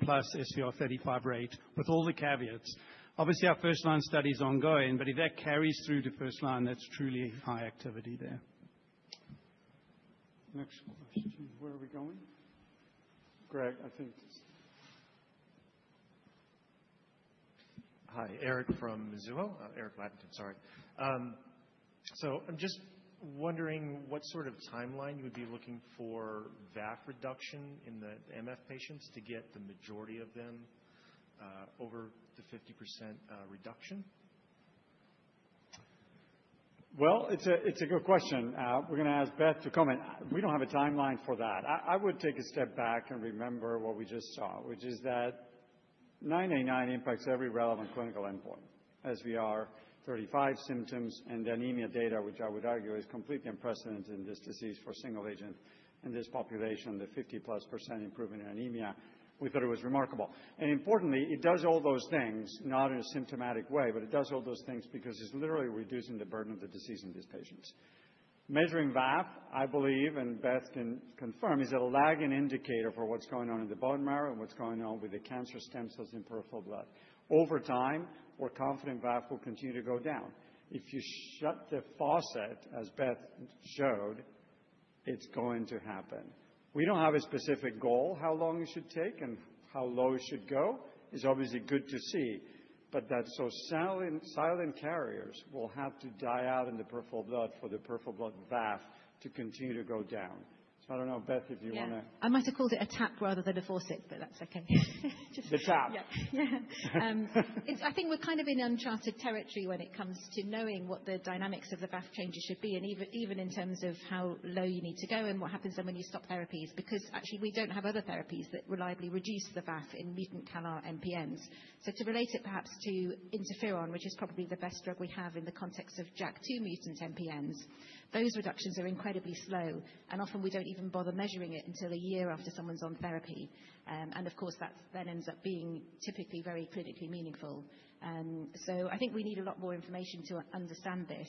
60%+ SVR35 rate with all the caveats. Obviously our first line study is ongoing, but if that carries through to first line, that's truly high activity there. Next few. Where are we going? Greg, I think. Hi, Erik from Mizuho. Erik Lavington. Sorry. So I'm just wondering what sort of timeline you would be looking for VAF reduction in the MF patients to get the majority of them over the 50% reduction. It's a good question. We're going to ask Beth to comment. We don't have a timeline for that. I would take a step back and remember what we just saw, which is that 989 impacts every relevant clinical endpoint, SVR35 symptoms and the anemia data, which I would argue is completely unprecedented in this disease for single agent in this population, the 50+% improvement in anemia, we thought it was remarkable. Importantly, it does all those things not in a symptomatic way, but it just does all those things because it's literally reducing the burden of the disease in these patients. Measuring VAF, I believe, and Beth can confirm, is a lagging indicator for what's going on in the bone marrow and what's going on with the cancer stem cells in peripheral blood over time. We're confident VAF will continue to go down if you shut the faucet as Beth showed. It's going to happen. We don't have a specific goal. How long it should take and how low it should go is obviously good to see, but that, so silent carriers will have to die out in the peripheral blood for the peripheral blood VAF to continue to go down, so I don't know, Beth, if you. I might have called it a tap rather than a forceps, but that's okay. The tap. I think we're kind of in uncharted territory when it comes to knowing what the dynamics of the VAF changes should be and even in terms of how low you need to go and what happens when you stop therapies because actually we don't have other therapies that reliably reduce the VAF in mutant CALR MPNs. So to relate it perhaps to interferon, which is probably the best drug we have in the context of JAK2 mutant MPNs, those reductions are incredibly slow and often we don't even bother measuring it until a year after someone's on therapy. And of course that then ends up being typically very clinically meaningful. So I think we need a lot more information to understand this.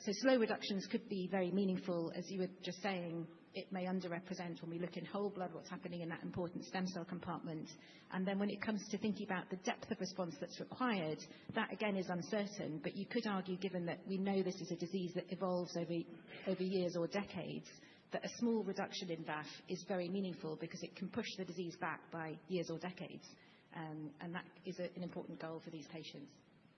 So slow reductions could be very meaningful. As you were just saying, it may underrepresent when we look in whole blood what's happening in that important stem cell compartment, and then when it comes to thinking about the depth of response that's required, that again is uncertain, but you could argue, given that we know this is a disease that evolves over years or decades, that a small reduction in VAF is very meaningful because it can push the disease back by years or decades, and that is an important goal for these patients.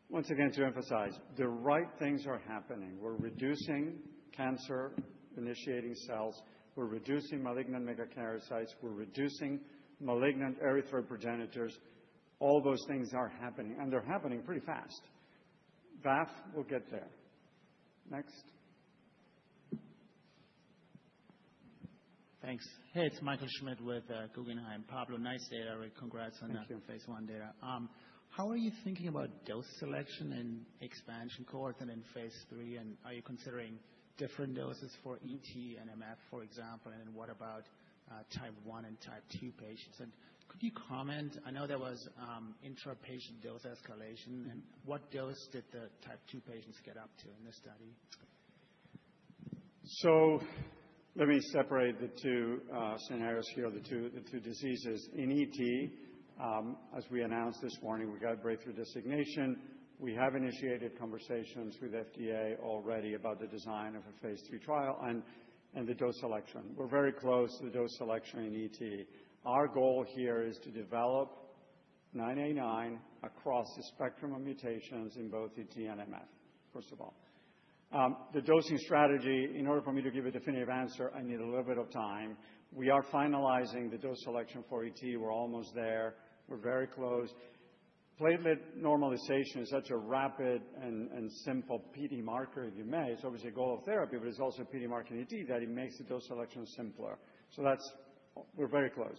Once again, to emphasize the right things are happening. We're reducing cancer initiating cells, we're reducing malignant megakaryocytes, we're reducing malignant erythroid progenitors. All those things are happening and they're happening pretty fast. VAF will get there. Next. Thanks. Hey, it's Michael Schmidt with Guggenheim. Pablo, nice data readout. Congrats on phase I data. How are you thinking about dose selection in expansion cohorts and in phase III? And are you considering different doses for ET and MF, for example? And what about Type 1 and Type 2 patients? And could you comment? I know there was intrapatient dose escalation. And what dose did the Type 2 patients get up to in this study? So let me separate the two scenarios here. The two diseases in ET. As we announced this morning, we got breakthrough designation. We have initiated conversations with FDA already about the design of a phase III trial and the dose selection. We're very close to the dose selection in ET. Our goal here is to develop 989 across the spectrum of mutations in both ET and MF. First of all, the dosing strategy. In order for me to give a definitive answer, I need a little bit of time. We are finalizing the dose selection for ET. We're almost there. We're very close. Platelet normalization is such a rapid and simple PD marker, if you may. It's obviously a goal of therapy, but it's also PD marker in ET that it makes the dose selection simpler. So that's where we're very close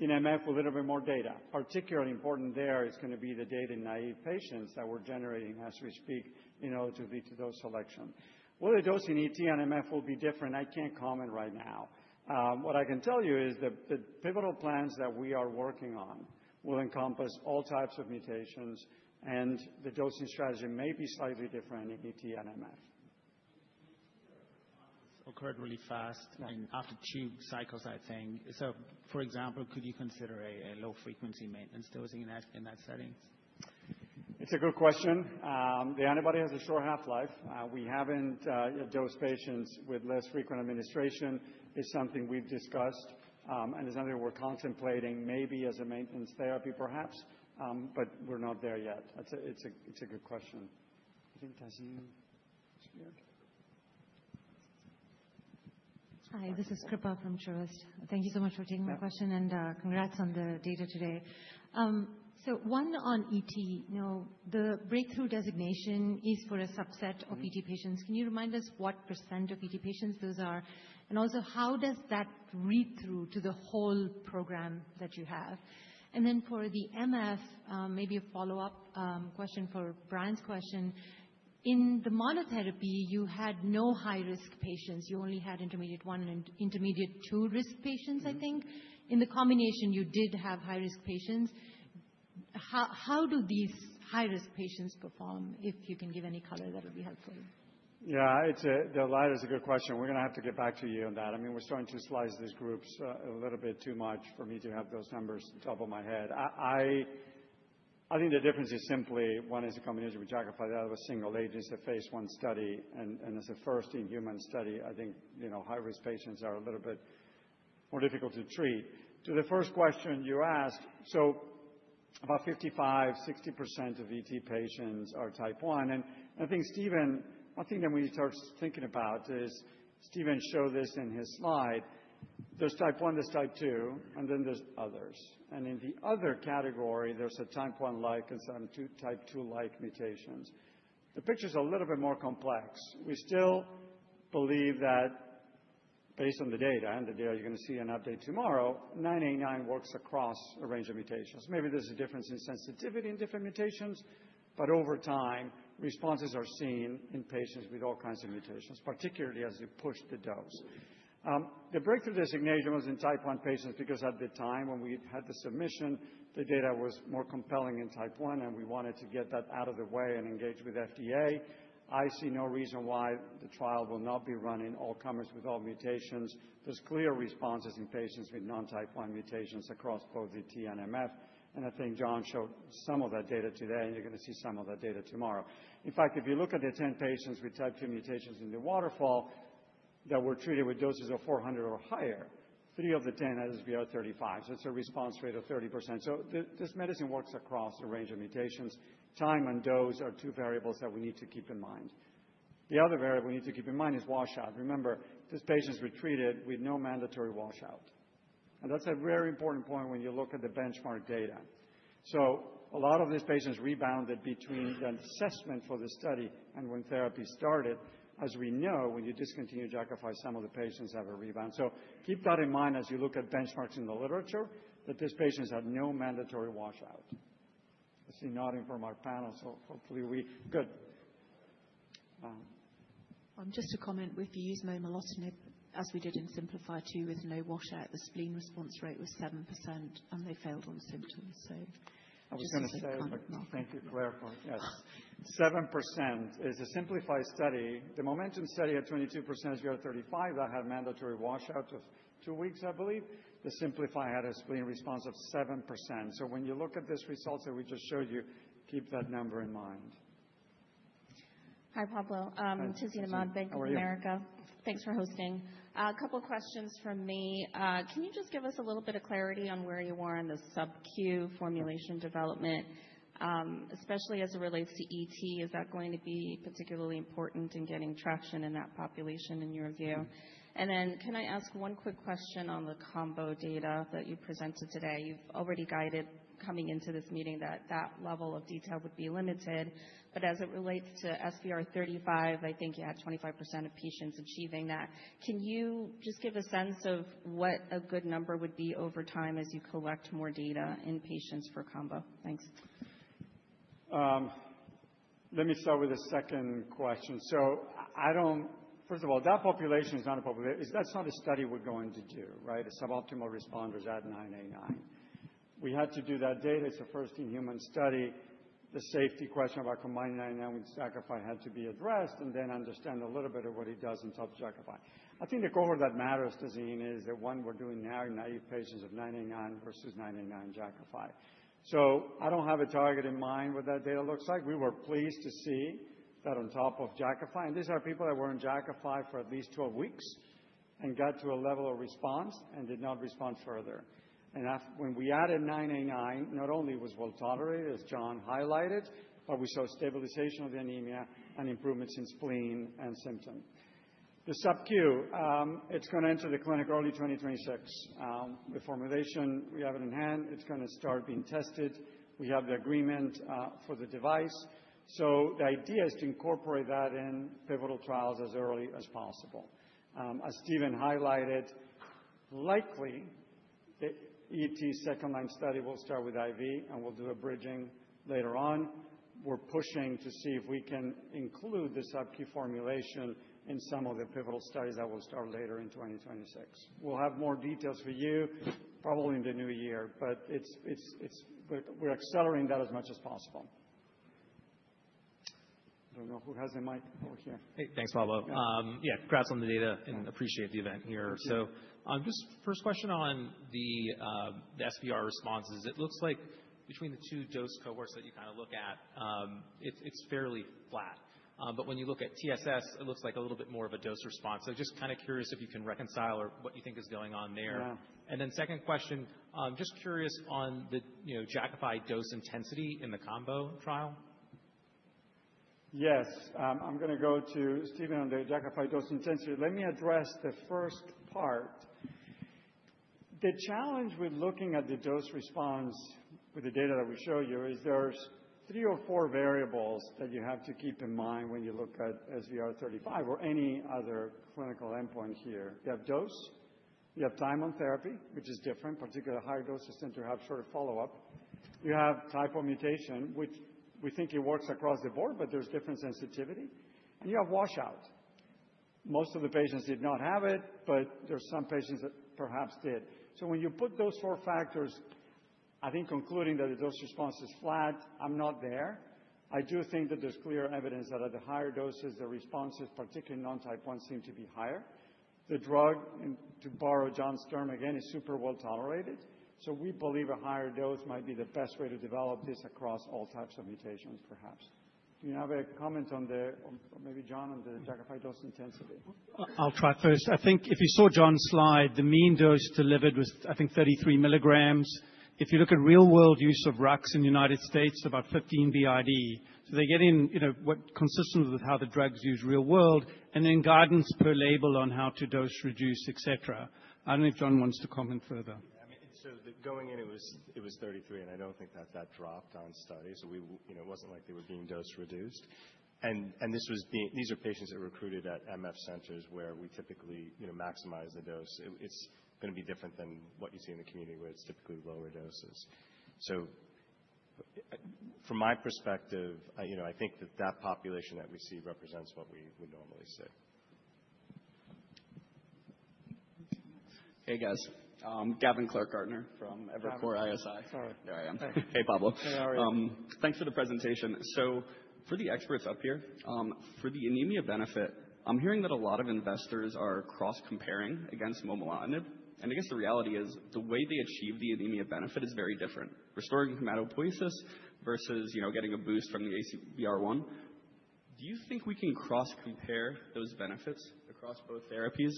in MF with a little bit more data. Particularly important, there is going to be the data in naive patients that we're generating as we speak in [inaudible] dose selection, whether dose in ET and MF will be different. I can't comment right now. What I can tell you is that the pivotal plans that we are working on will encompass all types of mutations, and the dosing strategy may be slightly different in ET and MF. Occurred really fast after two cycles. I think so. For example, could you consider a low frequency maintenance dosing in that setting? It's a good question. The antibody has a short half-life. We haven't dosed patients with less frequent administration. It's something we've discussed and it's something we're contemplating maybe as a maintenance therapy perhaps, but we're not there yet. It's a good question. Hi, this is Kripa from Truist. Thank you so much for taking my question and congrats on the data today. So one on ET, the breakthrough designation is for a subset of ET patients. Can you remind us what % of ET patients those are? And also how does that read through to the whole program that you have? And then for the MF, maybe a follow up question for Brian's question. In the monotherapy you had no high risk patients. You only had Intermediate-1 and Intermediate-2 risk patients. I think in the combination you did have high risk patients. How do these high risk patients perform? If you can give any color, that would be helpful. Yeah, the latter is a good question. We're going to have to get back to you on that. I mean, we're starting to slice these groups a little bit too much for me to have those numbers top of my head. I think the difference is simply one is a combination of Jakafi, the other with single agents. The phase I study and as a first in human study, I think, you know, high risk patients are a little bit more difficult to treat. To the first question you asked. So about 55%-60% of ET patients are Type 1. I think Steven, one thing that we start thinking about is Steven showed this in his slide. There's Type 1, there's Type 2 and then there's others. And in the other category there's a Type 1-like insertions. Type 2-like mutations, the picture's a little bit more complex. We still believe that based on the data and the data, you're going to see an update tomorrow. 989 works across a range of mutations. Maybe there's a difference in sensitivity in different mutations, but over time responses are seen in patients with all kinds of mutations, particularly as you push the dose. The breakthrough designation was in Type 1 patients because at the time when we had at the submission, the data was more compelling in Type 1 and we wanted to get that out of the way and engage with FDA. I see no reason why the trial will not be run in all comers with all mutations. There's clear responses in patients with non-Type 1 mutations across both ET and MF. And I think John showed some of that data today and you're going to see some of that data tomorrow. In fact, if you look at the 10 patients with Type 2 mutations in the waterfall that were treated with doses of 400 or higher, three of the 10 SVR35, so it's a response rate of 30%, so this medicine works across a range of mutations. Time and dose are two variables that we need to keep in mind. The other variable we need to keep in mind is washout. Remember, these patients retreated with no mandatory washout, and that's a very important point when you look at the benchmark data, so a lot of these patients rebounded between the assessment for the study and when therapy started. As we know, when you discontinue Jakafi, some of the patients have a rebound, so keep that in mind as you look at benchmarks in the literature that these patients had no mandatory washout. I see nodding from our panel. So, hopefully we good. Just to comment with the use momelotinib as we did in SIMPLIFY-2 with no washout, the spleen response rate was 7% and they failed on symptoms. I was going to say but no, thank you Claire for it. Yes, 7% is a SIMPLIFY study. The MOMENTUM study at 22%, you're at 35% that had mandatory washout of two weeks. I believe the SIMPLIFY had a spleen response of 7%. When you look at these results that we just showed you, keep that number in mind. Hi Pablo, Tazeen Ahmad. Bank of America. How are you? Thanks for hosting. A couple questions from me. Can you just give us a little bit of clarity on where you are in this SubQ formulation development, especially as it relates to ET? Is that going to be particularly important in getting traction in that population in your view? And then can I ask one quick question? On the combo data that you presented today, you've already guided coming into this meeting that that level of detail would be limited. But as it relates to SVR35, I think you had 25% of patients achieving that. Can you just give a sense of what a good number would be over time as you collect more data in patients for combo. Thanks. Let me start with the second question so I don't. First of all, that population is not a population. That's not a study we're going to do. Right. The suboptimal responders at 989 we had to do that data. It's the first in human study. The safety question about combined with ruxolitinib had to be addressed and then understand a little bit of what it does on top of Jakafi. I think the cohort that matters to Tazeen is the one we're doing now in naive patients on 989 vs. Jakafi. So I don't have a target in mind what that data looks like. We were pleased to see that on top of Jakafi and these are people that were on Jakafi for at least 12 weeks and got to a level of response and did not respond further. And when we added 989, not only was well tolerated as John highlighted, but we saw stabilization of the anemia and improvements in spleen and symptom. SubQ. it's going to enter the clinic early 2026. The formulation, we have it in hand, it's going to start being tested. We have the agreement for the device. So the idea is to incorporate that in pivotal trials as early as possible. As Steven highlighted, likely the ET second line study will start with IV and we'll do a bridging later on. We're pushing to see if we can include the SubQ formulation in some of the pivotal studies that will start later in 2026. We'll have more details for you probably in the new year, but we're accelerating that as much as possible. I don't know who has the mic over here. Thanks, Pablo. Yeah, congrats on the data. Appreciate the event here. Just first question on the SVR responses, it looks like between the two dose cohorts that you kind of look at, it's fairly flat, but when you look at TSS, it looks like a little bit more of a dose response. Just kind of curious if you can reconcile or what you think is going on there? And then second question, just curious on the, you know, Jakafi dose intensity in the combo trial. Yes. I'm going to go to Steven on the Jakafi dose intensity. Let me address the first part. The challenge with looking at the dose response with the data that we show you is there's three or four variables that you have to keep in mind when you look at SVR35 or any other clinical endpoint here. You have dose, you have time on therapy, which is different. Particularly higher doses tend to have shorter follow up. You have Type 1 mutation, which we think it works across the board, but there's different sensitivity and you have washout. Most of the patients did not have it, but there's some patients that perhaps did. So when you put those four factors, I think concluding that the dose response is flat, I'm not there. I do think that there's clear evidence that at the higher doses the responses, particularly non-Type 1, seem to be higher. The drug, to borrow John's term again, is super well tolerated. So we believe a higher dose might be the best way to develop this across all types of mutations, perhaps. Do you have a comment on the? Maybe John, on the dose intensity? I'll try. First, I think if you saw John's slide, the mean dose delivered was, I think, 33 mg. If you look at real world use of rux in the United States, about 15 BID. So, it's consistent with how the drug's used real world and then guidance per label on how to dose reduce, et cetera. I don't know if John wants to comment further. So going in it was 33, and I don't think that it dropped on studies. You know, it wasn't like they were being dose reduced. These are patients that were recruited at MF centers where we typically, you know, maximize the dose. It's going to be different than what you see in the community where it's typically lower doses. So from my perspective, you know, I think that the population that we see represents what we would normally see. Hey guys. Gavin Clark-Gardner from Evercore ISI. Hey Pablo, thanks for the presentation. So for the experts up here for the anemia benefit, I'm hearing that a lot of investors are cross comparing against momelotinib and I guess the reality is the way they achieve the anemia benefit is very different. Restoring hematopoiesis versus, you know, getting a boost from the ACVR1. Do you think we can cross compare those benefits across both therapies?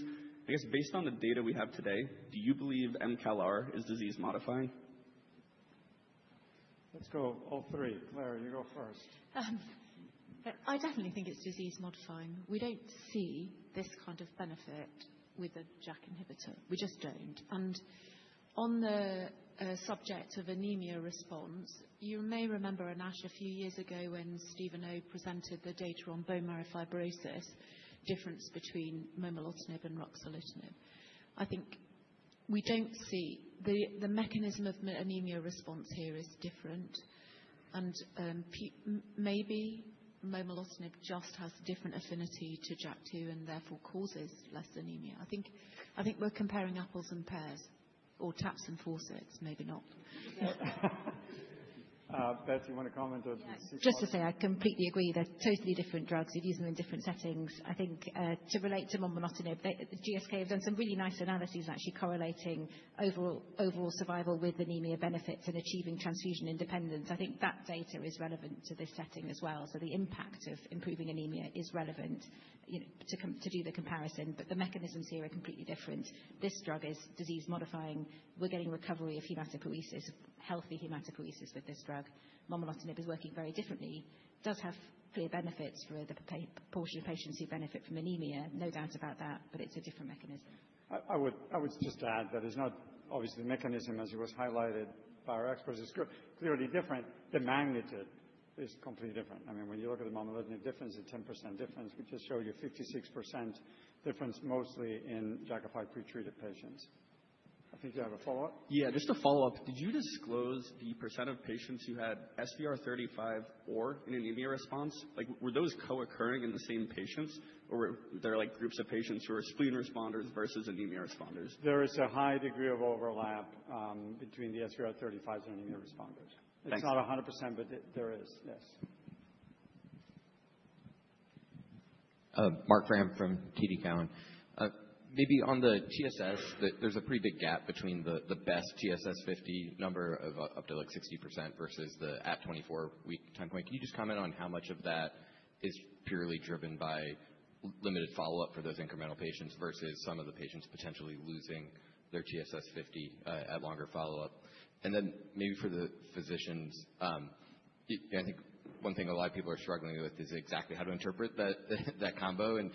I guess based on the data we have today. Do you believe mCALR is disease modifying? Let's go all three. Claire, you go first. I definitely think it's disease modifying. We don't see this kind of benefit with the JAK inhibitor. We just don't. And on the subject of anemia response, you may remember ASH a few years ago when Stephen Oh presented the data on bone marrow fibrosis difference between momelotinib and ruxolitinib. I think we don't see the mechanism of anemia response here is different and maybe momelotinib just has different affinity to JAK2 and therefore causes less anemia. I think we're comparing apples and pears or taps and forceps. Maybe not. Beth, you want to comment on. Just to say I completely agree they're totally different drugs. You'd use them in different settings. I think to relate to momelotinib. GSK have done some really nice analyses actually correlating overall survival with anemia benefits and achieving transfusion independence. I think that data is relevant to this setting as well. So the impact of improving anemia is relevant to do the comparison. But the mechanisms here are completely different. This drug is disease modifying. We're getting recovery of hematopoiesis. Healthy hematopoiesis with this drug. Momelotinib is working very differently. Does have clear benefits for the proportion of patients who benefit from anemia. No doubt about that. But it's a different mechanism. I would just add that there's no. Obviously the mechanism as it was highlighted by our experts is clearly different. The magnitude is completely different. I mean when you look at the momelotinib difference, a 10% difference. We just showed you 56% difference mostly in Jakafi pretreated patients. I think you have a follow up. Yeah, just a follow up. Did you disclose the percent of patients who had SVR35 or an anemia response? Like were those co-occurring in the same patients or there are like groups of patients who are spleen responders versus anemia responders? There is a high degree of overlap between the SVR35s and anemia responders. It's not 100% but there is. Yes. Marc Frahm from TD Cowen. Maybe on the TSS, there's a pretty big gap between the best TSS50 number of up to like 60% versus the at 24-week time point. Can you just comment on how much of that is purely driven by limited follow-up for those incremental patients versus some of the patients potentially losing their TSS50 at longer follow-up? And then maybe for the physicians, I think one thing a lot of people are struggling with is exactly how to interpret that combo. And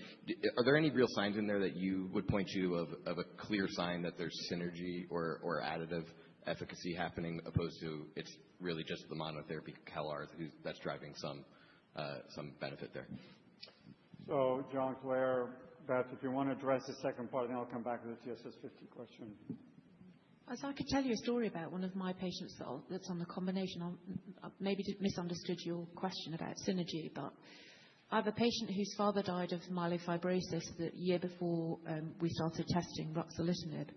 are there any real signs in there that you would point to of a clear sign that there's synergy or additive efficacy happening opposed to? It's really just the monotherapy CALRs that's driving some benefit there. So John, Claire, Beth, if you want to address the second part, I'll come back to the TSS50 question. I could tell you a story about one of my patients that's on the combination. Maybe misunderstood your question about synergy, but I have a patient whose father died of myelofibrosis the year before we started testing ruxolitinib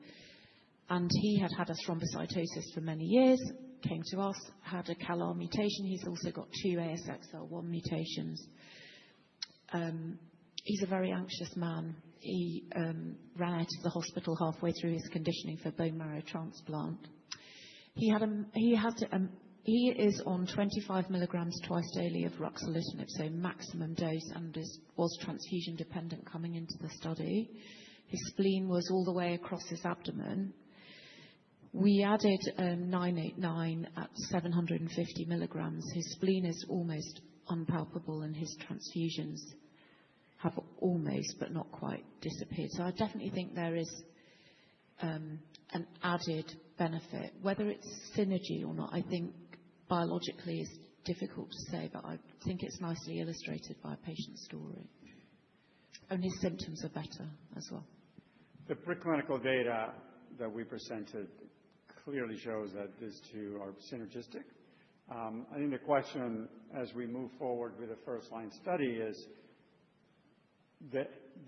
and he had had a thrombocytosis for many years, came to us, had a CALR mutation. He's also got two ASXL1 mutations. He's a very anxious man. He ran out of the hospital halfway through his conditioning for bone marrow transplant. He is on 25 mg twice daily of ruxolitinib, so maximum dose, and was transfusion dependent. Coming into the study, his spleen was all the way across his abdomen. We added 989. At 750 mg his spleen is almost unpalpable and his transfusions have almost but not quite disappeared. So I definitely think there is an added benefit. Whether it's synergy or not. I think biologically it's difficult to say, but I think it's nicely illustrated by a patient's story. Only symptoms are better as well. The preclinical data that we presented clearly shows that these two are synergistic. I think the question as we move forward with the first line study is.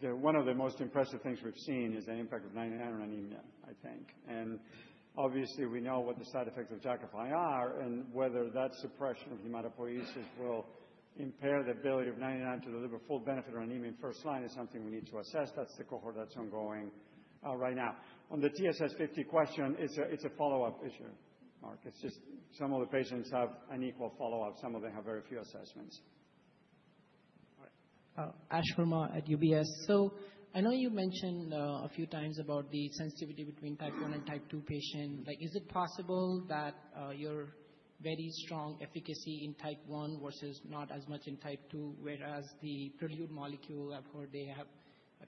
One of the most impressive things we've seen is the impact of 989, I think, and obviously we know what the side effects of JAK2 Jakafi and whether that suppression of hematopoiesis will impair the ability of 989 to deliver full benefit on anemia in first line is something we need to assess. That's the cohort that's ongoing right now on the TSS50 question. It's a follow-up issue, Marc. It's just some of the patients have unequal follow-up. Some of them have very few assessments. Ashwani Verma at UBS so I know you mentioned a few times about the sensitivity between Type 1 and Type 2 patients like is it possible that your very strong efficacy in Type 1 versus not as much in Type 2 whereas the prelude molecule, I've heard they have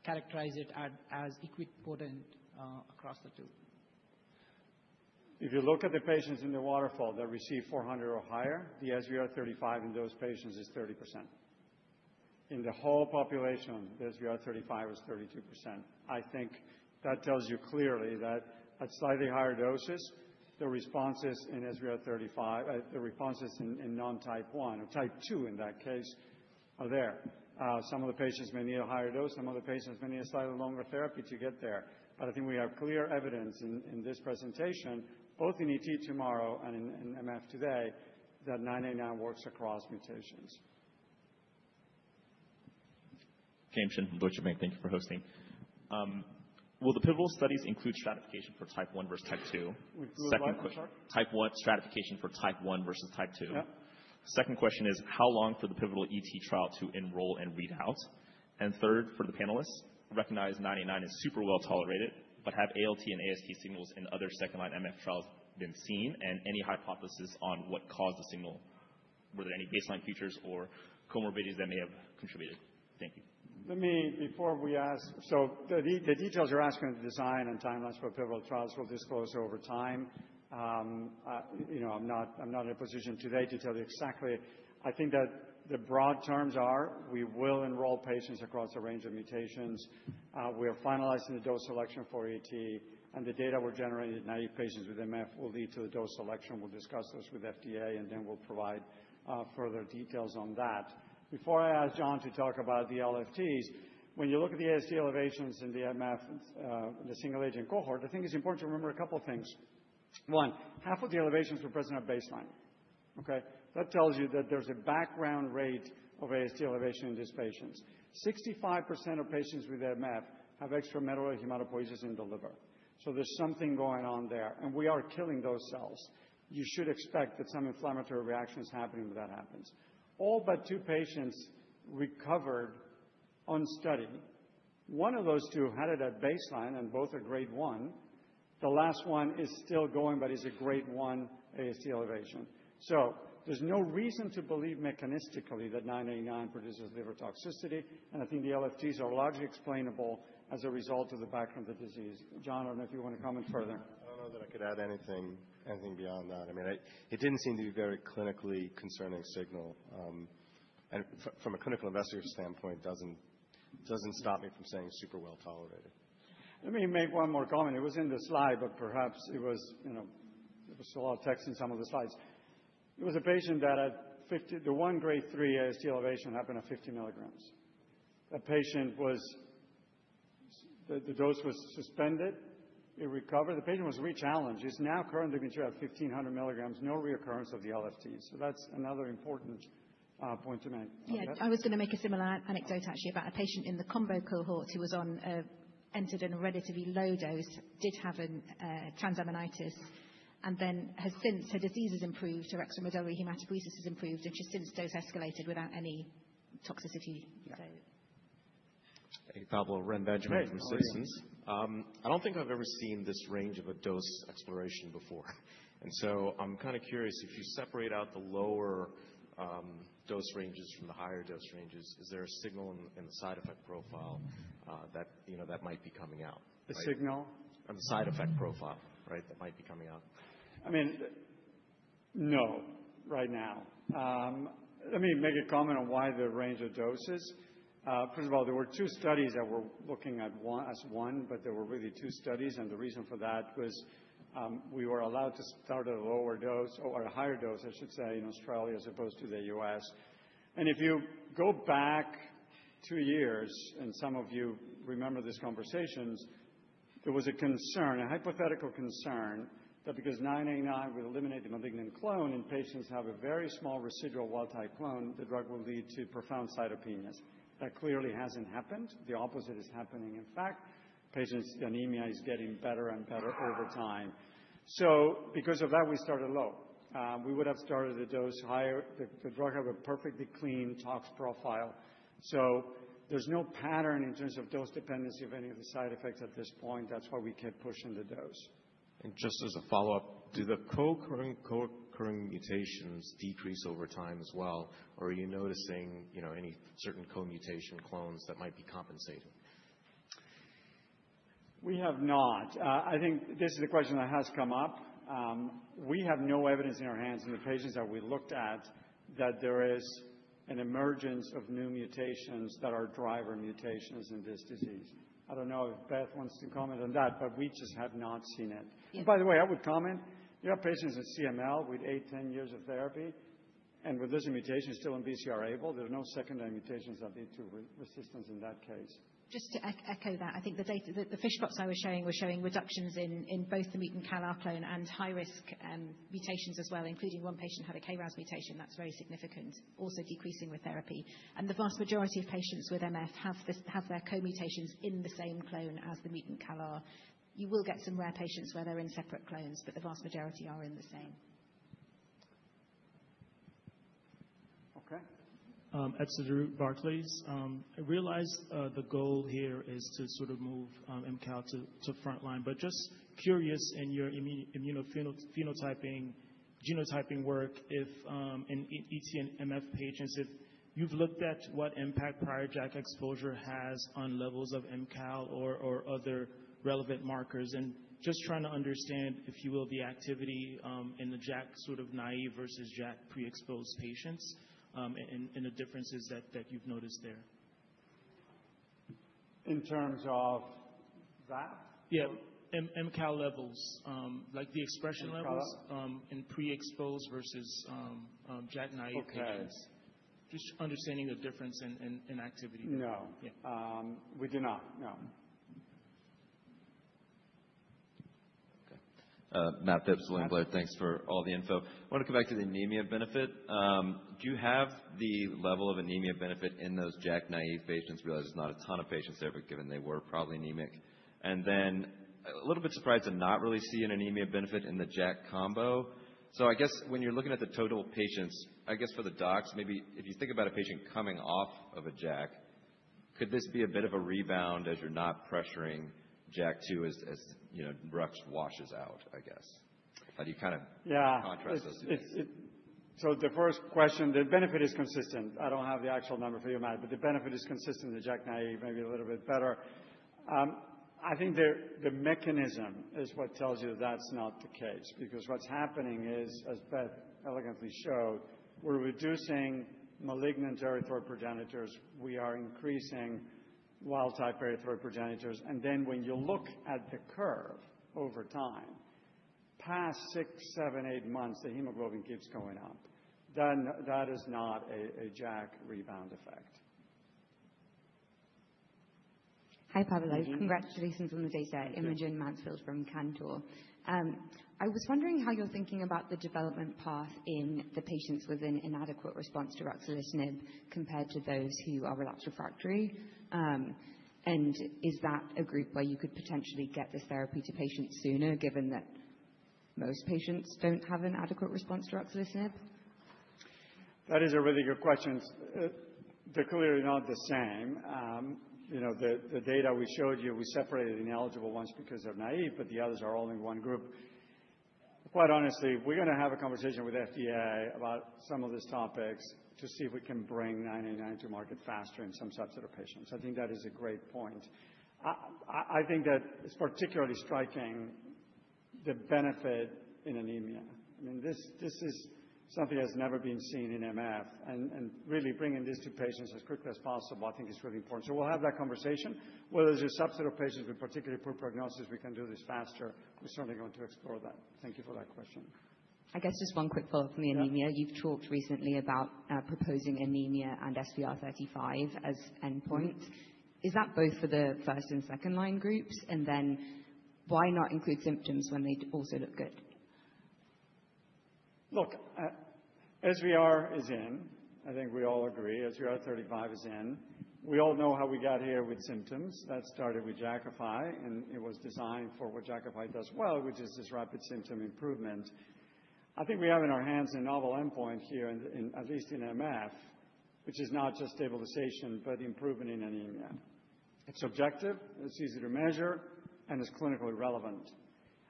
characterized it as equipotent across the two. If you look at the patients in the waterfall that receive 400 or higher, the SVR35 in those patients is 30%. In the whole population SVR35 is 32%. I think that tells you clearly that at slightly higher doses the responses in SVR35, the responses in non-Type 1 or Type 2, in that case, are there. Some of the patients may need a higher dose. Some of the patients may need a slightly longer therapy to get there. But I think we have clear evidence in this presentation, both in ET tomorrow and in MF today that 989 works across mutations. James Shin from Deutsche Bank, thank you for hosting. Will the pivotal studies include stratification for Type 1 versus Type 2? Second question is how long for the pivotal ET trial to enroll and read out. And third, for the panelists, recognize 989 is super well tolerated but have ALT and AST signals in other second-line MF trials been seen. And any hypothesis on what caused the signal? Were there any baseline features or comorbidities that may have contributed? Thank you. Let me, before we ask, so the details you're asking, the design and timelines for pivotal trials, we'll disclose over time. You know, I'm not in a position today to tell you exactly. I think that the broad terms are we will enroll patients across a range of mutations we are finding, analyzing the dose selection for ET and the data were generated naive patients with MF will lead to the dose selection. We'll discuss those with FDA and then we'll provide further details on that. Before I ask John to talk about the LFTs, when you look at the AST elevations in the MF, the single agent cohort, I think it's important to remember a couple things. One-half of the elevations were present at baseline. Okay. That tells you that there's a background rate of AST elevation in these patients. 65% of patients with MF have extramedullary hematopoiesis in the liver. So there's something going on there and we are killing those cells. You should expect that some inflammatory reactions happening when that happens. All but two patients recovered on study. One of those two had it at baseline and both are Grade 1. The last one is still going, but is a Grade 1 AST elevation. There's no reason to believe mechanistically that 989 produces liver toxicity. And I think the LFTs are largely explainable as a result of the background of the disease. John, I don't know if you want to comment further. I don't know that I could add anything beyond that. I mean, it didn't seem to be a very clinically concerning signal, and from a clinical investigative standpoint, doesn't stop me from saying super well tolerated. Let me make one more comment. It was in the slide. But perhaps it was, you know, there was a lot of text in some of the slides. It was a patient that had 50 mg. The one Grade 3 AST elevation happened at 50 mg. The patient was. The dose was suspended, it recovered, the patient was re-challenged. It's now currently dosed at 1500 mg. No reoccurrence of the LFT. So that's another important point to make. Yeah, I was going to make a similar anecdote actually about a patient in the combo cohort who was entered in a relatively low dose, did have transaminitis and then since her disease has improved, her extramedullary hematopoiesis has improved and she's since dose escalated without any toxicity. Reni Benjamin from Citizens. I don't think I've ever seen this range of a dose exploration before, and so I'm kind of curious. If you separate out the lower dose ranges from the higher dose ranges, is there a signal in the side effect profile that you know that might be coming out? The signal and the side effect profile. Right. That might be coming out. I mean, no. Right. Now let me make a comment on why the range of doses. First of all, there were two studies that were looking at phase I, but there were really two studies. And the reason for that was we were allowed to start a lower dose or higher doses, we should say, in Australia as opposed to the U.S. and if you go back two years and some of you remember these conversations, there was a concern, a hypothetical concern that because 989 would eliminate the malignant clone in patients have a very small residual wild type clone, the drug will lead to profound cytopenias. That clearly hasn't happened. The opposite is happening in fact. Patients' anemia is getting better and better over time. So because of that we started low, we would have started the dose higher. The drug have a perfectly clean tox profile. So there's no pattern in terms of dose dependency of any of the side effects at this point. That's why we kept pushing the dose. And just as a follow up, do the co-occurring mutations decrease over time as well? Or are you noticing, you know, any certain co-mutation clones that might be compensating? We have not. I think this is a question that has come up. We have no evidence in our hands, in the patients that we looked at, that there is an emergence of new mutations that are driver mutations in this disease. I don't know if Beth wants to comment on that, but we just have not seen it. By the way, I would comment. You have patients in CML with eight, 10 years of therapy and with this mutation still in BCR-ABL, there are no secondary mutations or resistance. In that case, just to echo that, I think the data that the FISH plots I was showing were showing reductions in both the mutant CALR clone and high-risk mutations as well. Including one patient had a KRAS mutation that's very significant, also decreasing with therapy. And the vast majority of patients with MF have their co-mutations in the same clone as the mutant CALR. You will get some rare patients where they're in separate clones, but the vast majority are in the same. Okay. Etzer Darout from Barclays, I realized the goal here is to sort of move mCALR to frontline. But just curious, in your immunophenotyping genotyping works if in ET and MF patients. If you've looked at what impact prior JAK exposure has on levels of mCALR or other relevant markers and just trying to understand, if you will, the activity in the JAK sort of naive versus JAK pre-exposed patients and the differences that you've noticed there. In terms of that? Yeah, mCALR levels like the expression levels in pre-exposed versus JAKi-naïve. Just understanding the difference in activity. No. Yeah, we do not. No. Matt Phipps, William Blair. Thanks for all the info. I want to come back to the anemia benefit. Do you have the level of anemia benefit in those JAKi-naïve patients? Realize there's not a ton of patients there, but given they were probably anemic and then a little bit surprised to not really see an anemia benefit in the JAK combo. So I guess when you're looking at the total patients, I guess for the docs maybe if you think about a patient coming off of a JAK, could this be a bit of a rebound as you're not pressuring JAK2 as rux washes out, I guess how do you kind of contrast those two? So the first question, the benefit is consistent. I don't have the actual number for you, Matt, but the benefit is consistent. The JAKi-naïve maybe a little bit better. I think the mechanism is what tells you that's not the case because what's happening is as Beth elegantly showed, we're reducing malignant erythroid progenitors. We are increasing wild type erythroid progenitors. And then when you look at the curve over time past six, seven, eight months, the hemoglobin keeps going up. That is not a JAK rebound effect. Hi Pablo, Congratulations on the data. Imogen Mansfield from Cantor. I was wondering how you're thinking about the development path in the patients with an inadequate response to ruxolitinib compared to those who are relapsed refractory. Is that a group where you could potentially get this therapy to patients sooner, given that most patients don't have an adequate response to ruxolitinib? That is a really good question. They're clearly not the same. You know, the data we showed you, we separated ineligible ones because they're naive, but the others are all in one group, quite honestly. We're going to have a conversation with FDA about some of these topics to see if we can bring 989 to market faster in some subset of patients. I think that is a great point. I think that it's particularly striking, the benefit in anemia. This is something that's never been seen in MF, and really bringing these to patients as quickly as possible, I think it's really important, so we'll have that conversation. Whether it's a subset of patients with particularly poor prognosis, we can do this faster. We're certainly going to explore that. Thank you for that question. I guess just one quick follow-up from the anemia. You've talked recently about proposing anemia and SVR35 as endpoint. Is that both for the first and second line groups? And then why not include symptoms when they also look good? Look, SVR is in. I think we all agree, SVR35 is in. We all know how we got here with symptoms that started with Jakafi and it was designed for what Jakafi does well, which is this rapid symptom improvement. I think we have in our hands a novel endpoint here, at least in MF, which is not just stabilization, but improvement in anemia. It's objective, it's easy to measure and is clinically relevant.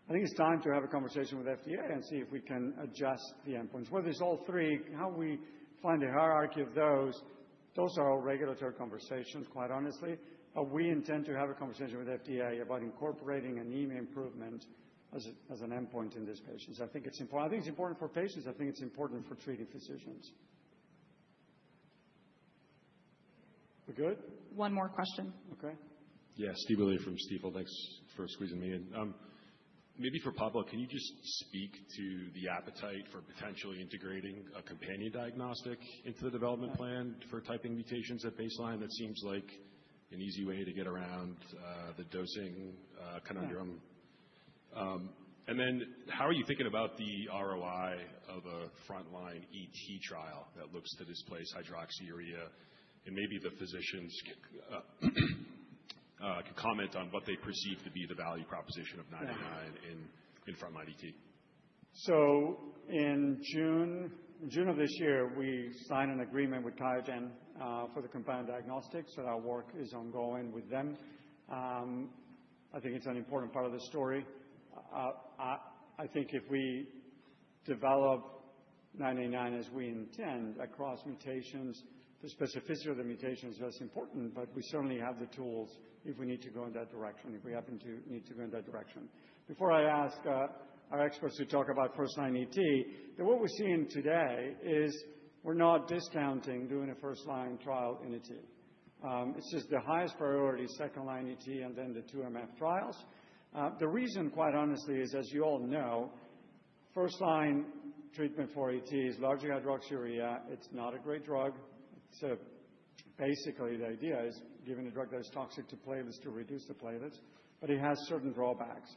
I think it's time to have a conversation with FDA and see if we can adjust the end points, whether it's all three, how we find the hierarchy of those. Those are all regulatory conversations, quite honestly. But we intend to have a conversation with FDA about incorporating anemia improvement as an endpoint in these patients. I think it's important. I think it's important for patients. I think it's important for treating physician. Good. One more question. Okay. Yeah. Steve Willey from Stifel, thanks for squeezing me in. Maybe for Pablo, can you just speak to the appetite for potentially integrating a companion diagnostic into the development plan for typing mutations at baseline that seems like an easy way to get around the dosing conundrum. And then how are you thinking about the ROI of a front line trial that looks to displace hydroxyurea? And maybe the physicians could comment on what they perceive to be the value proposition of 989 in frontline ET. In June of this year we signed an agreement with Qiagen for the companion diagnostics, and our work is ongoing with them. I think it's an important part of the story. I think if we develop 989 as we intend across mutations, the specificity of the mutation is less important. But we certainly have the tools if we need to go in that direction, if we happen to need to go in that direction. Before I ask our experts to talk about first line ET, that what we're seeing today is we're not discounting doing a first line trial in ET. This is the highest priority. Separate second line ET and then the two MF trials. The reason quite honestly is as you all know, first line treatment for ET is largely hydroxyurea. It's not a great drug. Basically the idea is giving a drug that is toxic to platelets to reduce the platelets. But it has certain drawbacks.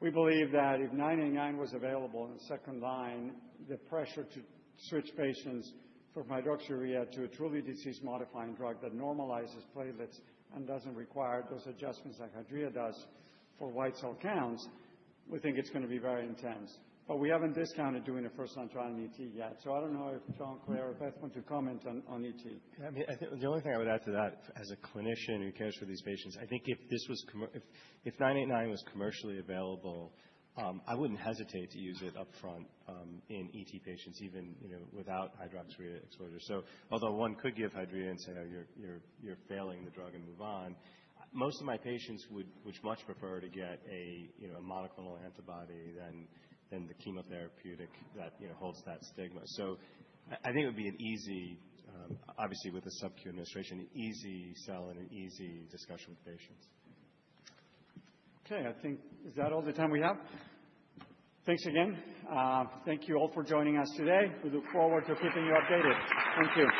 We believe that if 989 was available in the second line, the pressure to switch patients from hydroxyurea to a true disease-modifying drug that normalizes platelets and doesn't require those adjustments like hydroxyurea does for white cell counts, we think it's going to be very intense. But we haven't discounted doing a first line trial in ET yet. So I don't know if John, Claire or Beth want to comment on ET. The only thing I would add to that, as a clinician who cares for these patients, I think if this was, if 989 was commercially available, I wouldn't hesitate to use it up front in ET patients even without hydroxyurea exposure. So although one could give Hydrea and say you're failing the drug and move on, most of my patients would much prefer to get a monoclonal antibody than the chemotherapeutic that holds that stigma. So I think it would be an easy, obviously with the SubQ administration, easy sell and an easy discussion with patients. Okay. I think. Is that all the time we have? Thanks again. Thank you all for joining us today. We look forward to keeping you updated. Thank you.